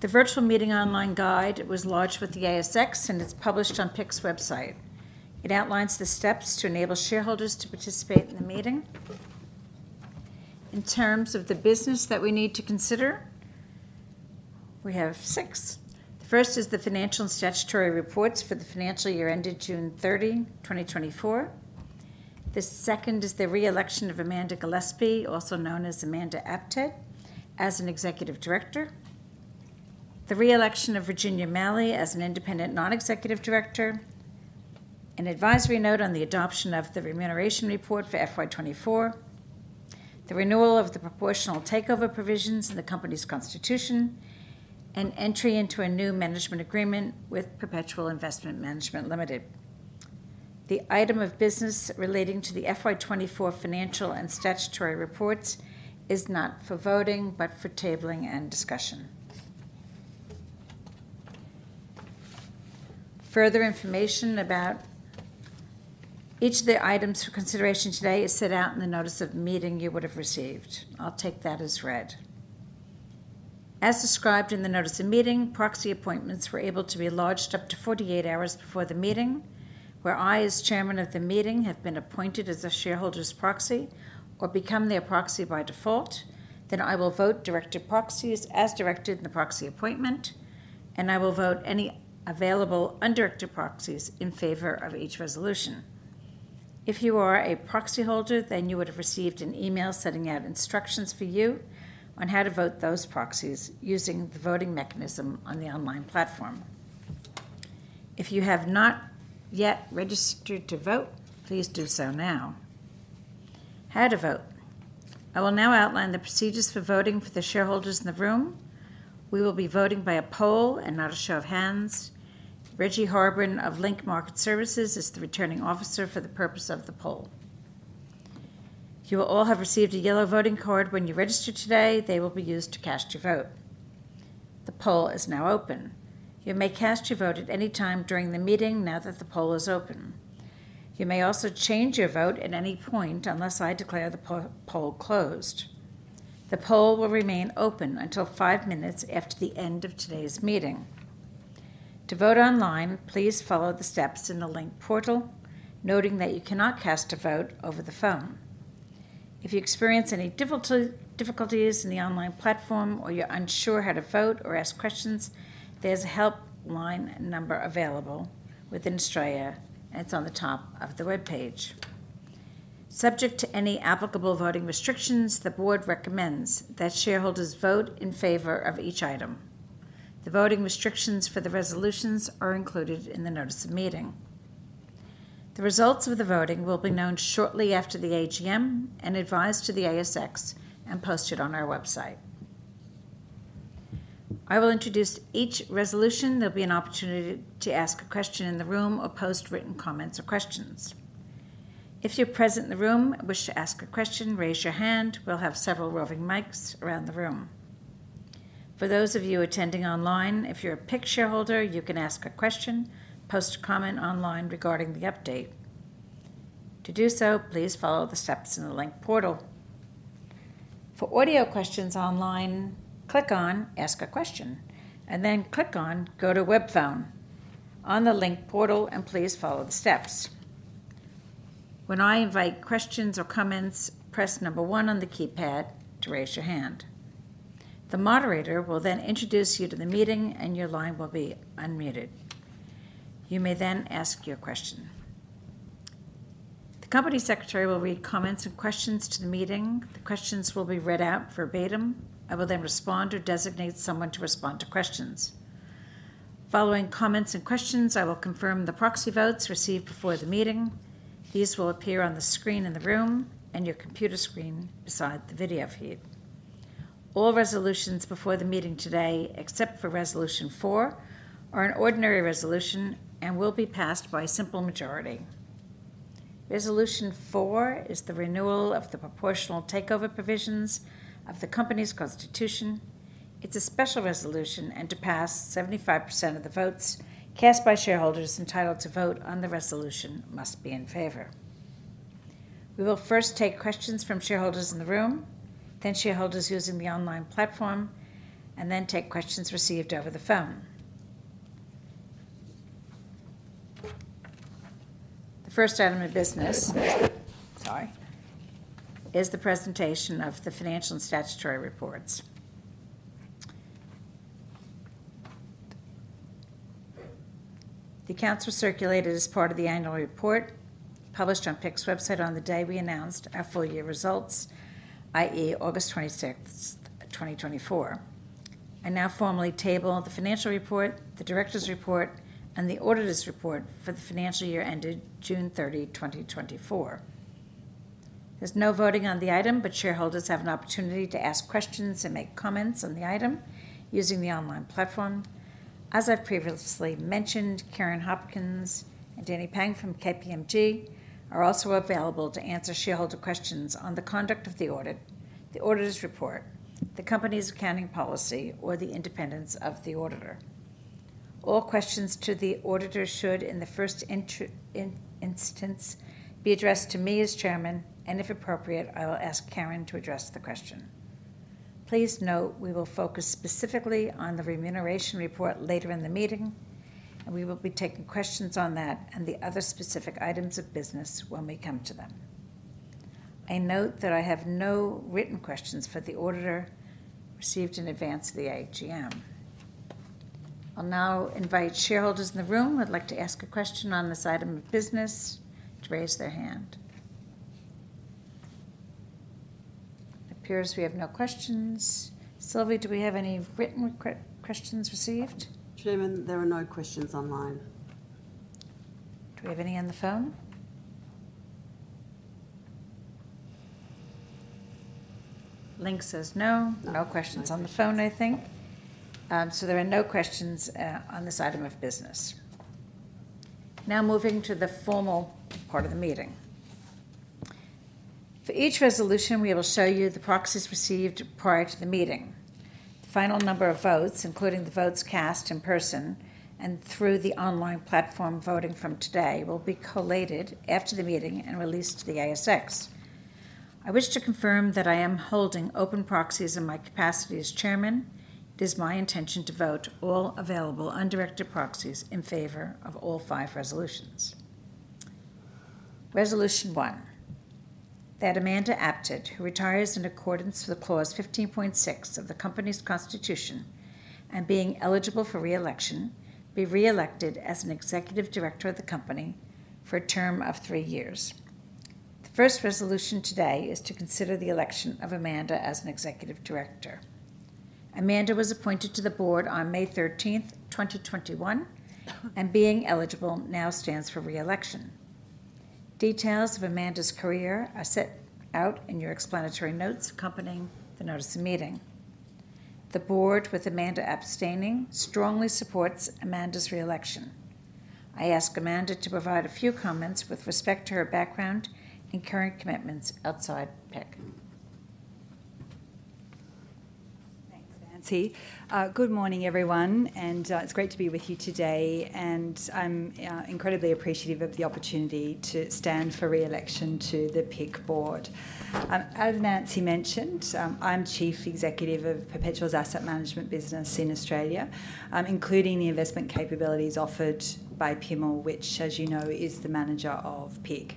The virtual meeting online guide was launched with the ASX, and it's published on PIC's website. It outlines the steps to enable shareholders to participate in the meeting. In terms of the business that we need to consider, we have six. The first is the financial and statutory reports for the financial year ended June 30, 2024. The second is the re-election of Amanda Gillespie, also known as Amanda Apted, as an executive director. The re-election of Virginia Malley as an independent non-executive director. An advisory note on the adoption of the remuneration report for FY24. The renewal of the proportional takeover provisions in the company's constitution. Entry into a new management agreement with Perpetual Investment Management Limited. The item of business relating to the FY24 financial and statutory reports is not for voting, but for tabling and discussion. Further information about each of the items for consideration today is set out in the notice of meeting you would have received. I'll take that as read. As described in the notice of meeting, proxy appointments were able to be lodged up to 48 hours before the meeting, where I, as Chairman of the meeting, have been appointed as a shareholder's proxy or become their proxy by default, then I will vote directed proxies as directed in the proxy appointment, and I will vote any available undirected proxies in favor of each resolution. If you are a proxy holder, then you would have received an email sending out instructions for you on how to vote those proxies using the voting mechanism on the online platform. If you have not yet registered to vote, please do so now. How to vote. I will now outline the procedures for voting for the shareholders in the room. We will be voting by a poll and not a show of hands. Reggie Hof Link Market Services is the returning officer for the purpose of the poll. You will all have received a yellow voting card when you register today. They will be used to cast your vote. The poll is now open. You may cast your vote at any time during the meeting now that the poll is open. You may also change your vote at any point unless I declare the poll closed. The poll will remain open until five minutes after the end of today's meeting. To vote online, please follow the steps in the link portal, noting that you cannot cast a vote over the phone. If you experience any difficulties in the online platform or you're unsure how to vote or ask questions, there's a helpline number available within Australia. It's on the top of the webpage. Subject to any applicable voting restrictions, the board recommends that shareholders vote in favor of each item. The voting restrictions for the resolutions are included in the notice of meeting. The results of the voting will be known shortly after the AGM and advised to the ASX and posted on our website. I will introduce each resolution. There'll be an opportunity to ask a question in the room or post written comments or questions. If you're present in the room and wish to ask a question, raise your hand. We'll have several roving mics around the room. For those of you attending online, if you're a PIC shareholder, you can ask a question, post a comment online regarding the update. To do so, please follow the steps in the Link portal. For audio questions online, click on Ask a Question, and then click on Go to Web Phone on the Link portal, and please follow the steps. When I invite questions or comments, press number one on the keypad to raise your hand. The moderator will then introduce you to the meeting, and your line will be unmuted. You may then ask your question. The company secretary will read comments and questions to the meeting. The questions will be read out verbatim. I will then respond or designate someone to respond to questions. Following comments and questions, I will confirm the proxy votes received before the meeting. These will appear on the screen in the room and your computer screen beside the video feed. All resolutions before the meeting today, except for Resolution 4, are an ordinary resolution and will be passed by a simple majority. Resolution 4 is the renewal of the proportional takeover provisions of the company's constitution. It's a special resolution, and to pass, 75% of the votes cast by shareholders entitled to vote on the resolution must be in favor. We will first take questions from shareholders in the room, then shareholders using the online platform, and then take questions received over the phone. The first item of business, sorry, is the presentation of the financial and statutory reports. The accounts were circulated as part of the annual report published on PIC's website on the day we announced our full year results, i.e., August 26, 2024. I now formally table the financial report, the director's report, and the auditor's report for the financial year ended June 30, 2024. There's no voting on the item, but shareholders have an opportunity to ask questions and make comments on the item using the online platform. As I've previously mentioned, Karen Hopkins and Danny Peng from KPMG are also available to answer shareholder questions on the conduct of the audit, the auditor's report, the company's accounting policy, or the independence of the auditor. All questions to the auditor should, in the first instance, be addressed to me as chairman, and if appropriate, I will ask Karen to address the question. Please note we will focus specifically on the remuneration report later in the meeting, and we will be taking questions on that and the other specific items of business when we come to them. I note that I have no written questions for the auditor received in advance of the AGM. I'll now invite shareholders in the room who would like to ask a question on this item of business to raise their hand. It appears we have no questions. Sylvie, do we have any written questions received? Chairman, there are no questions online. Do we have any on the phone? Link says no. No questions on the phone, I think. So there are no questions on this item of business. Now moving to the formal part of the meeting. For each resolution, we will show you the proxies received prior to the meeting. The final number of votes, including the votes cast in person and through the online platform voting from today, will be collated after the meeting and released to the ASX. I wish to confirm that I am holding open proxies in my capacity as chairman. It is my intention to vote all available undirected proxies in favor of all five resolutions. Resolution 1, that Amanda Apted, who retires in accordance with Clause 15.6 of the company's constitution and being eligible for re-election, be re-elected as an executive director of the company for a term of three years. The first resolution today is to consider the election of Amanda as an executive director. Amanda was appointed to the board on May 13, 2021, and being eligible now stands for re-election. Details of Amanda's career are set out in your explanatory notes accompanying the notice of meeting. The board, with Amanda abstaining, strongly supports Amanda's re-election. I ask Amanda to provide a few comments with respect to her background and current commitments outside PIC. Thanks, Nancy. Good morning, everyone. It's great to be with you today. I'm incredibly appreciative of the opportunity to stand for re-election to the PIC board. As Nancy mentioned, I'm Chief Executive of Perpetual's asset management business in Australia, including the investment capabilities offered by PIML, which, as you know, is the manager of PIC.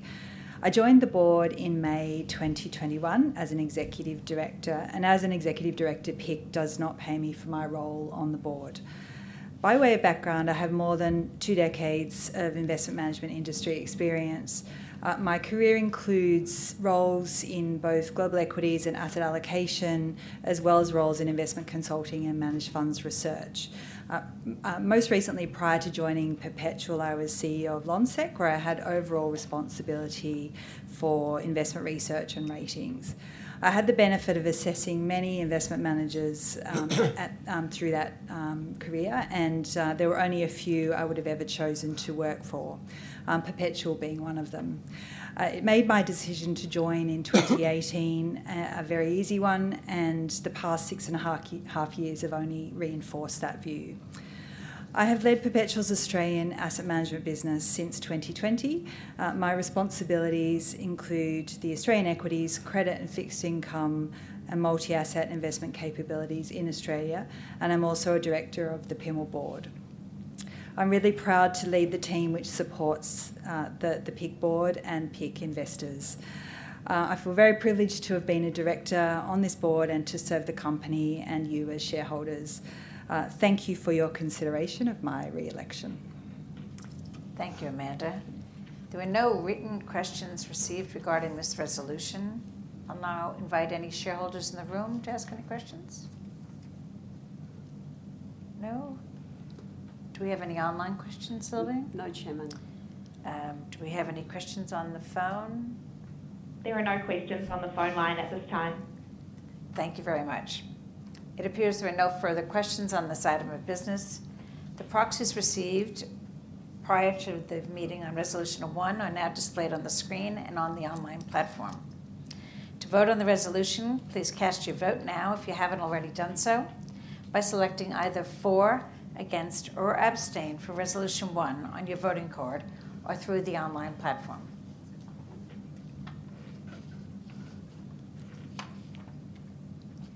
I joined the board in May 2021 as an Executive Director. As an Executive Director, PIC does not pay me for my role on the board. By way of background, I have more than two decades of investment management industry experience. My career includes roles in both global equities and asset allocation, as well as roles in investment consulting and managed funds research. Most recently, prior to joining Perpetual, I was CEO of Lonsec, where I had overall responsibility for investment research and ratings. I had the benefit of assessing many investment managers through that career, and there were only a few I would have ever chosen to work for, Perpetual being one of them. It made my decision to join in 2018 a very easy one, and the past six and a half years have only reinforced that view. I have led Perpetual's Australian asset management business since 2020. My responsibilities include the Australian equities, credit and fixed income, and multi-asset investment capabilities in Australia, and I'm also a director of the PIML board. I'm really proud to lead the team which supports the PIC board and PIC investors. I feel very privileged to have been a director on this board and to serve the company and you as shareholders. Thank you for your consideration of my re-election. Thank you, Amanda. There were no written questions received regarding this resolution. I'll now invite any shareholders in the room to ask any questions. No? Do we have any online questions, Sylvie? No, Chairman. Do we have any questions on the phone? There are no questions on the phone line at this time. Thank you very much. It appears there are no further questions on this item of business. The proxies received prior to the meeting on Resolution 1 are now displayed on the screen and on the online platform. To vote on the resolution, please cast your vote now if you haven't already done so by selecting either for, against, or abstain for Resolution 1 on your voting card or through the online platform.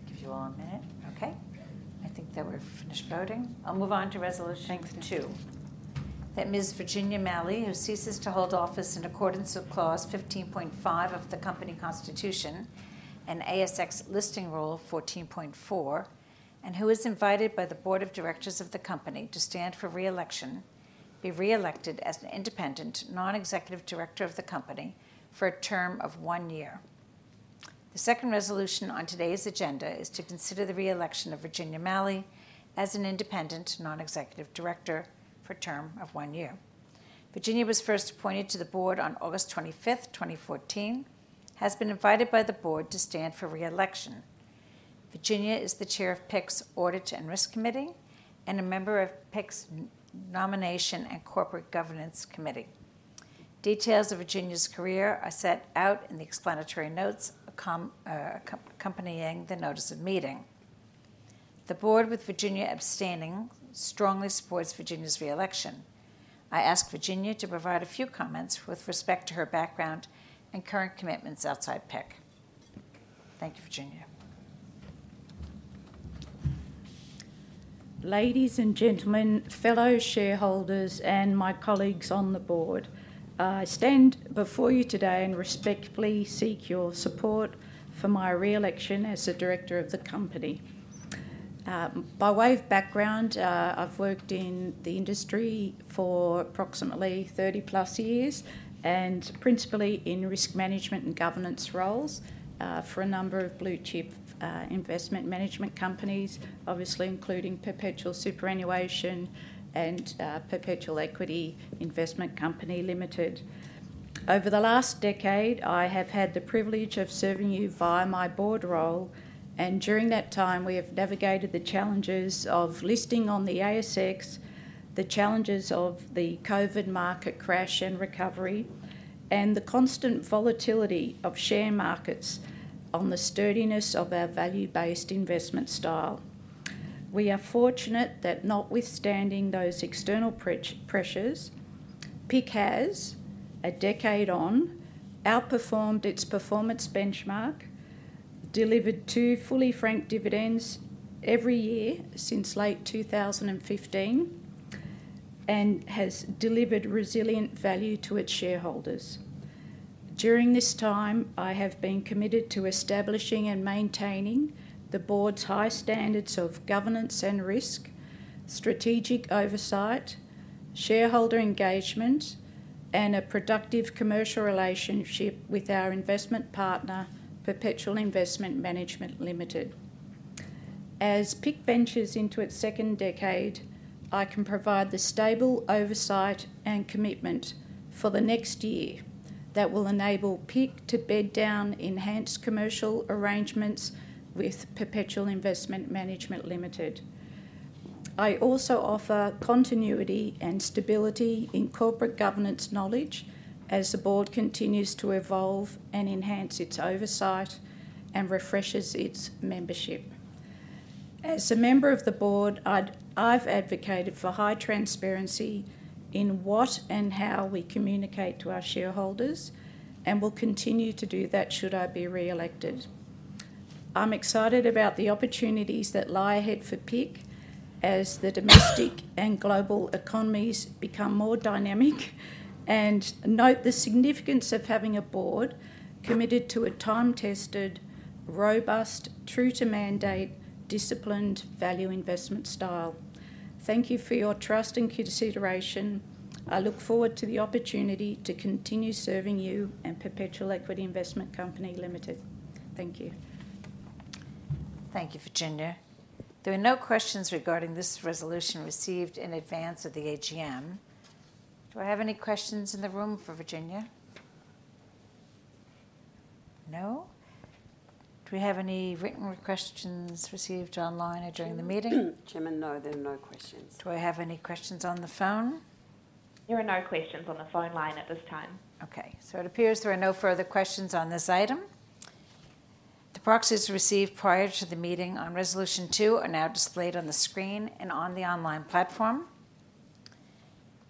Give you all a minute. Okay. I think that we're finished voting. I'll move on to Resolution 2. Then Ms. Virginia Malley, who ceases to hold office in accordance with Clause 15.5 of the company constitution and ASX listing rule 14.4, and who is invited by the board of directors of the company to stand for re-election, be re-elected as an independent non-executive director of the company for a term of one year. The second resolution on today's agenda is to consider the re-election of Virginia Malley as an independent non-executive director for a term of one year. Virginia was first appointed to the board on August 25, 2014, has been invited by the board to stand for re-election. Virginia is the Chair of PIC's Audit and Risk Committee and a member of PIC's Nominations and Corporate Governance Committee. Details of Virginia's career are set out in the explanatory notes accompanying the notice of meeting. The board, with Virginia abstaining, strongly supports Virginia's re-election. I ask Virginia to provide a few comments with respect to her background and current commitments outside PIC. Thank you, Virginia. Ladies and gentlemen, fellow shareholders, and my colleagues on the board, I stand before you today and respectfully seek your support for my re-election as the director of the company. By way of background, I've worked in the industry for approximately 30-plus years and principally in risk management and governance roles for a number of blue-chip investment management companies, obviously including Perpetual Superannuation and Perpetual Equity Investment Company Limited. Over the last decade, I have had the privilege of serving you via my board role, and during that time, we have navigated the challenges of listing on the ASX, the challenges of the COVID market crash and recovery, and the constant volatility of share markets on the sturdiness of our value-based investment style. We are fortunate that notwithstanding those external pressures, PIC has, a decade on, outperformed its performance benchmark, delivered two fully franked dividends every year since late 2015, and has delivered resilient value to its shareholders. During this time, I have been committed to establishing and maintaining the board's high standards of governance and risk, strategic oversight, shareholder engagement, and a productive commercial relationship with our investment partner, Perpetual Investment Management Limited. As PIC ventures into its second decade, I can provide the stable oversight and commitment for the next year that will enable PIC to bed down enhanced commercial arrangements with Perpetual Investment Management Limited. I also offer continuity and stability in corporate governance knowledge as the board continues to evolve and enhance its oversight and refreshes its membership. As a member of the board, I've advocated for high transparency in what and how we communicate to our shareholders and will continue to do that should I be re-elected. I'm excited about the opportunities that lie ahead for PIC as the domestic and global economies become more dynamic and note the significance of having a board committed to a time-tested, robust, true-to-mandate, disciplined value investment style. Thank you for your trust and consideration. I look forward to the opportunity to continue serving you and Perpetual Equity Investment Company Limited. Thank you. Thank you, Virginia. There are no questions regarding this resolution received in advance of the AGM. Do I have any questions in the room for Virginia? No? Do we have any written questions received online or during the meeting? Chairman, no, there are no questions. Do I have any questions on the phone? There are no questions on the phone line at this time. Okay. So it appears there are no further questions on this item. The proxies received prior to the meeting on Resolution 2 are now displayed on the screen and on the online platform.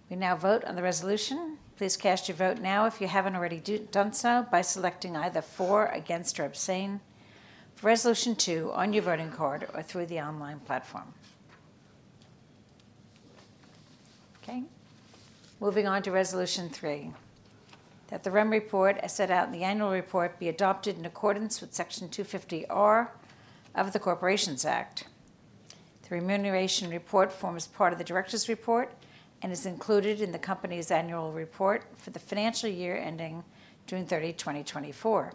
We now vote on the resolution. Please cast your vote now if you haven't already done so by selecting either for, against, or abstain for Resolution 2 on your voting card or through the online platform. Okay. Moving on to Resolution 3. That the remuneration report as set out in the annual report be adopted in accordance with Section 250R of the Corporations Act. The remuneration report forms part of the directors' report and is included in the company's annual report for the financial year ending June 30, 2024.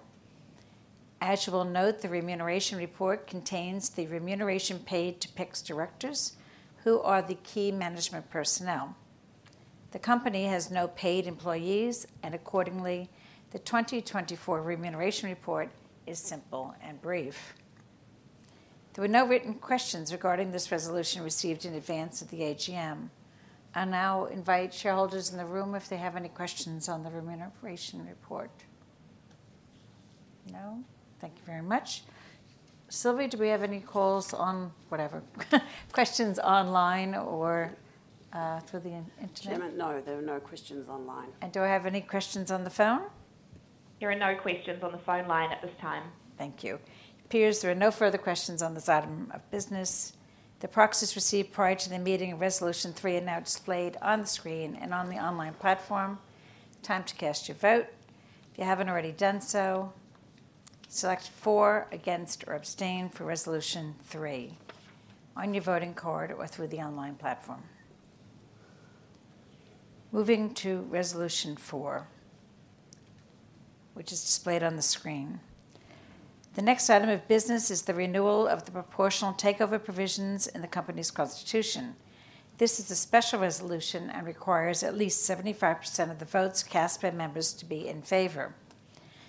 As you will note, the remuneration report contains the remuneration paid to PIC's directors, who are the key management personnel. The company has no paid employees, and accordingly, the 2024 remuneration report is simple and brief. There were no written questions regarding this resolution received in advance of the AGM. I now invite shareholders in the room if they have any questions on the remuneration report. No? Thank you very much. Sylvie, do we have any calls on whatever questions online or through the internet? Chairman, no, there are no questions online. And do I have any questions on the phone? There are no questions on the phone line at this time. Thank you. It appears there are no further questions on this item of business. The proxies received prior to the meeting of Resolution 3 are now displayed on the screen and on the online platform. Time to cast your vote. If you haven't already done so, select for, against, or abstain for Resolution 3 on your voting card or through the online platform. Moving to Resolution 4, which is displayed on the screen. The next item of business is the renewal of the proportional takeover provisions in the company's constitution. This is a special resolution and requires at least 75% of the votes cast by members to be in favor.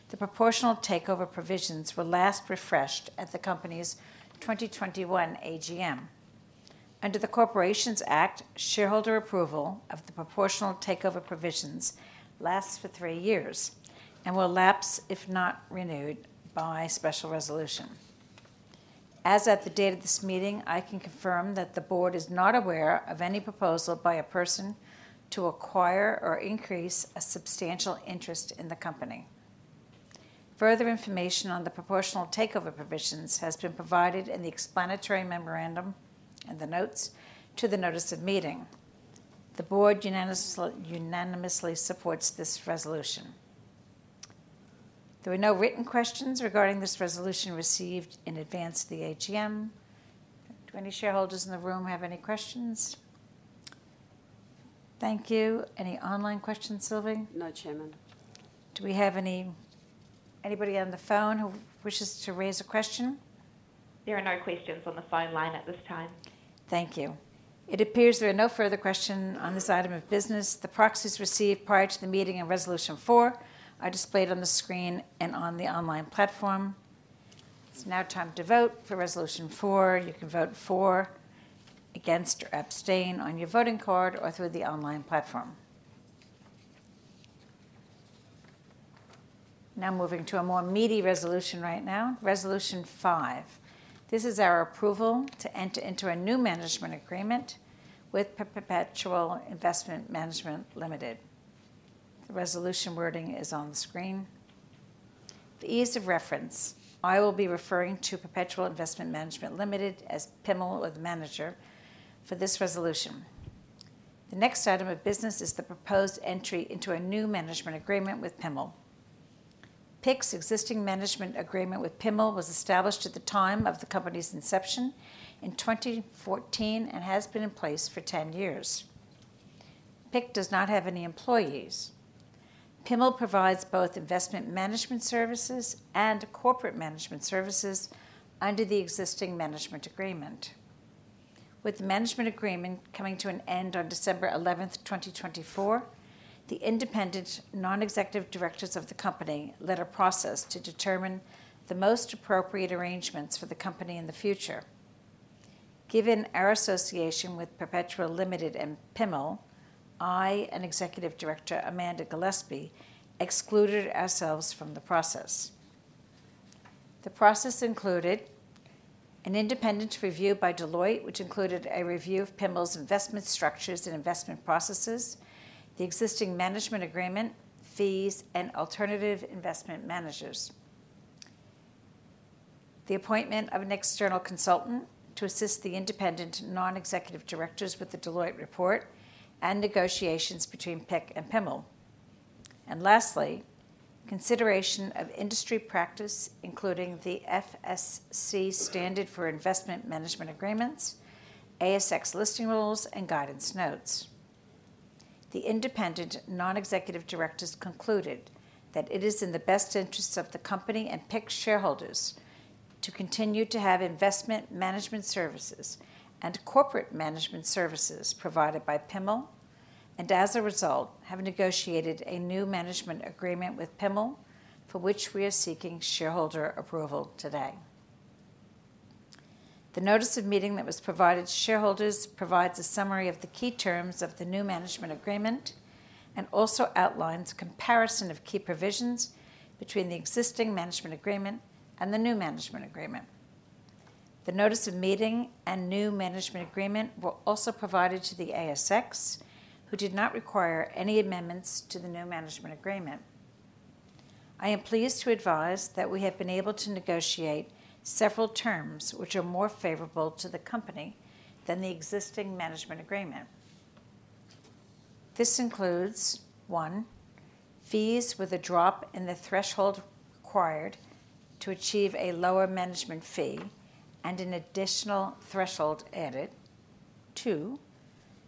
The proportional takeover provisions were last refreshed at the company's 2021 AGM. Under the Corporations Act, shareholder approval of the proportional takeover provisions lasts for three years and will lapse if not renewed by special resolution. As at the date of this meeting, I can confirm that the board is not aware of any proposal by a person to acquire or increase a substantial interest in the company. Further information on the proportional takeover provisions has been provided in the explanatory memorandum and the notes to the notice of meeting. The board unanimously supports this resolution. There were no written questions regarding this resolution received in advance of the AGM. Do any shareholders in the room have any questions? Thank you. Any online questions, Sylvie? No, Chairman. Do we have anybody on the phone who wishes to raise a question? There are no questions on the phone line at this time. Thank you. It appears there are no further questions on this item of business. The proxies received prior to the meeting of Resolution 4 are displayed on the screen and on the online platform. It's now time to vote for Resolution 4. You can vote for, against, or abstain on your voting card or through the online platform. Now moving to a more meaty resolution right now, Resolution 5. This is our approval to enter into a new management agreement with Perpetual Investment Management Limited. The resolution wording is on the screen. For ease of reference, I will be referring to Perpetual Investment Management Limited as PIML or the manager for this resolution. The next item of business is the proposed entry into a new management agreement with PIML. PIC's existing management agreement with PIML was established at the time of the company's inception in 2014 and has been in place for 10 years. PIC does not have any employees. PIML provides both investment management services and corporate management services under the existing management agreement. With the management agreement coming to an end on December 11, 2024, the independent non-executive directors of the company led a process to determine the most appropriate arrangements for the company in the future. Given our association with Perpetual Limited and PIML, I and Executive Director Amanda Gillespie excluded ourselves from the process. The process included an independent review by Deloitte, which included a review of PIML's investment structures and investment processes, the existing management agreement, fees, and alternative investment managers, the appointment of an external consultant to assist the independent non-executive directors with the Deloitte report and negotiations between PIC and PIML, and lastly, consideration of industry practice, including the FSC standard for investment management agreements, ASX listing rules, and guidance notes. The Independent Non-Executive Directors concluded that it is in the best interests of the company and PIC shareholders to continue to have investment management services and corporate management services provided by PIML, and as a result, have negotiated a new management agreement with PIML for which we are seeking shareholder approval today. The notice of meeting that was provided to shareholders provides a summary of the key terms of the new management agreement and also outlines a comparison of key provisions between the existing management agreement and the new management agreement. The notice of meeting and new management agreement were also provided to the ASX, who did not require any amendments to the new management agreement. I am pleased to advise that we have been able to negotiate several terms which are more favorable to the company than the existing management agreement. This includes, one, fees with a drop in the threshold required to achieve a lower management fee and an additional threshold added. Two,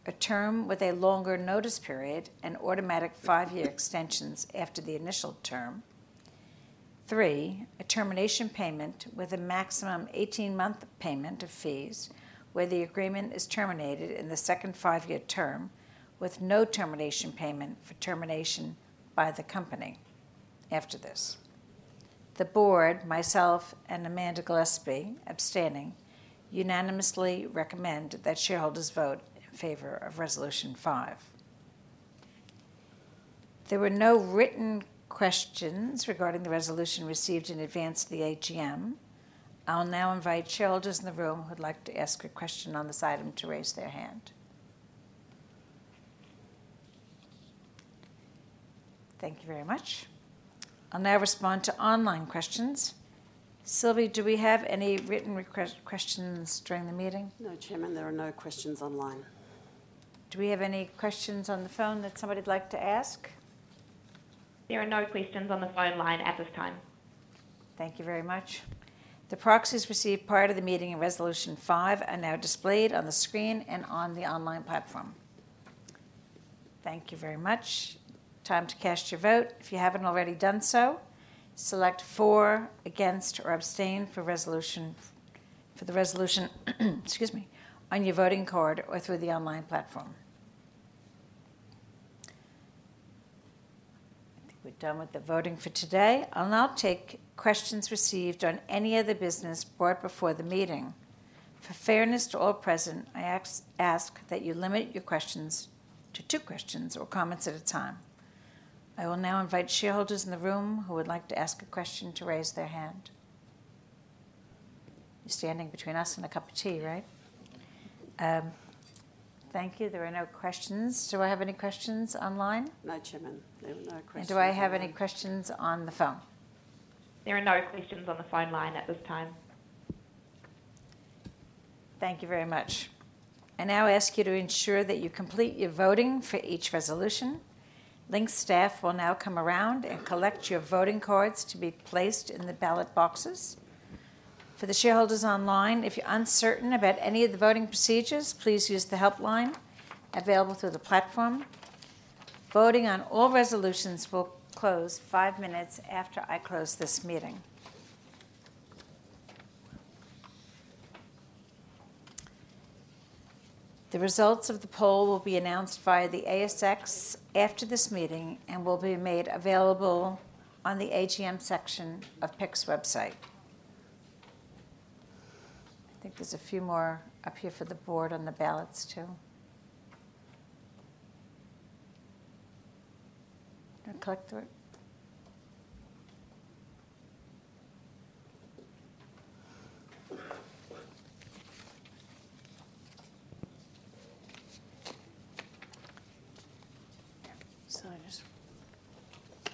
a term with a longer notice period and automatic five-year extensions after the initial term. Three, a termination payment with a maximum 18-month payment of fees where the agreement is terminated in the second five-year term with no termination payment for termination by the company after this. The board, myself, and Amanda Gillespie, abstaining, unanimously recommend that shareholders vote in favor of Resolution 5. There were no written questions regarding the resolution received in advance of the AGM. I'll now invite shareholders in the room who would like to ask a question on this item to raise their hand. Thank you very much. I'll now respond to online questions. Sylvie, do we have any written questions during the meeting? No, Chairman. There are no questions online. Do we have any questions on the phone that somebody'd like to ask? There are no questions on the phone line at this time. Thank you very much. The proxies received prior to the meeting of Resolution 5 are now displayed on the screen and on the online platform. Thank you very much. Time to cast your vote. If you haven't already done so, select for, against, or abstain for the resolution on your voting card or through the online platform. I think we're done with the voting for today. I'll now take questions received on any other business brought before the meeting. For fairness to all present, I ask that you limit your questions to two questions or comments at a time. I will now invite shareholders in the room who would like to ask a question to raise their hand. You're standing between us and a cup of tea, right? Thank you. There are no questions. Do I have any questions online? No, Chairman. There were no questions. And do I have any questions on the phone? There are no questions on the phone line at this time. Thank you very much. I now ask you to ensure that you complete your voting for each resolution. Link staff will now come around and collect your voting cards to be placed in the ballot boxes. For the shareholders online, if you're uncertain about any of the voting procedures, please use the helpline available through the platform. Voting on all resolutions will close five minutes after I close this meeting. The results of the poll will be announced via the ASX after this meeting and will be made available on the AGM section of PIC's website. I think there's a few more up here for the board on the ballots too.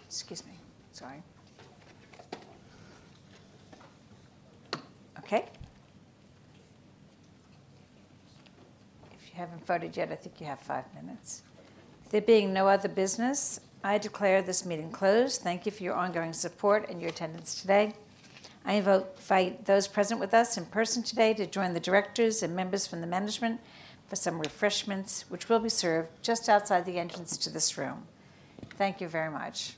Excuse me. Sorry. Okay. If you haven't voted yet, I think you have five minutes. There being no other business, I declare this meeting closed. Thank you for your ongoing support and your attendance today. I invite those present with us in person today to join the directors and members from the management for some refreshments, which will be served just outside the entrance to this room. Thank you very much.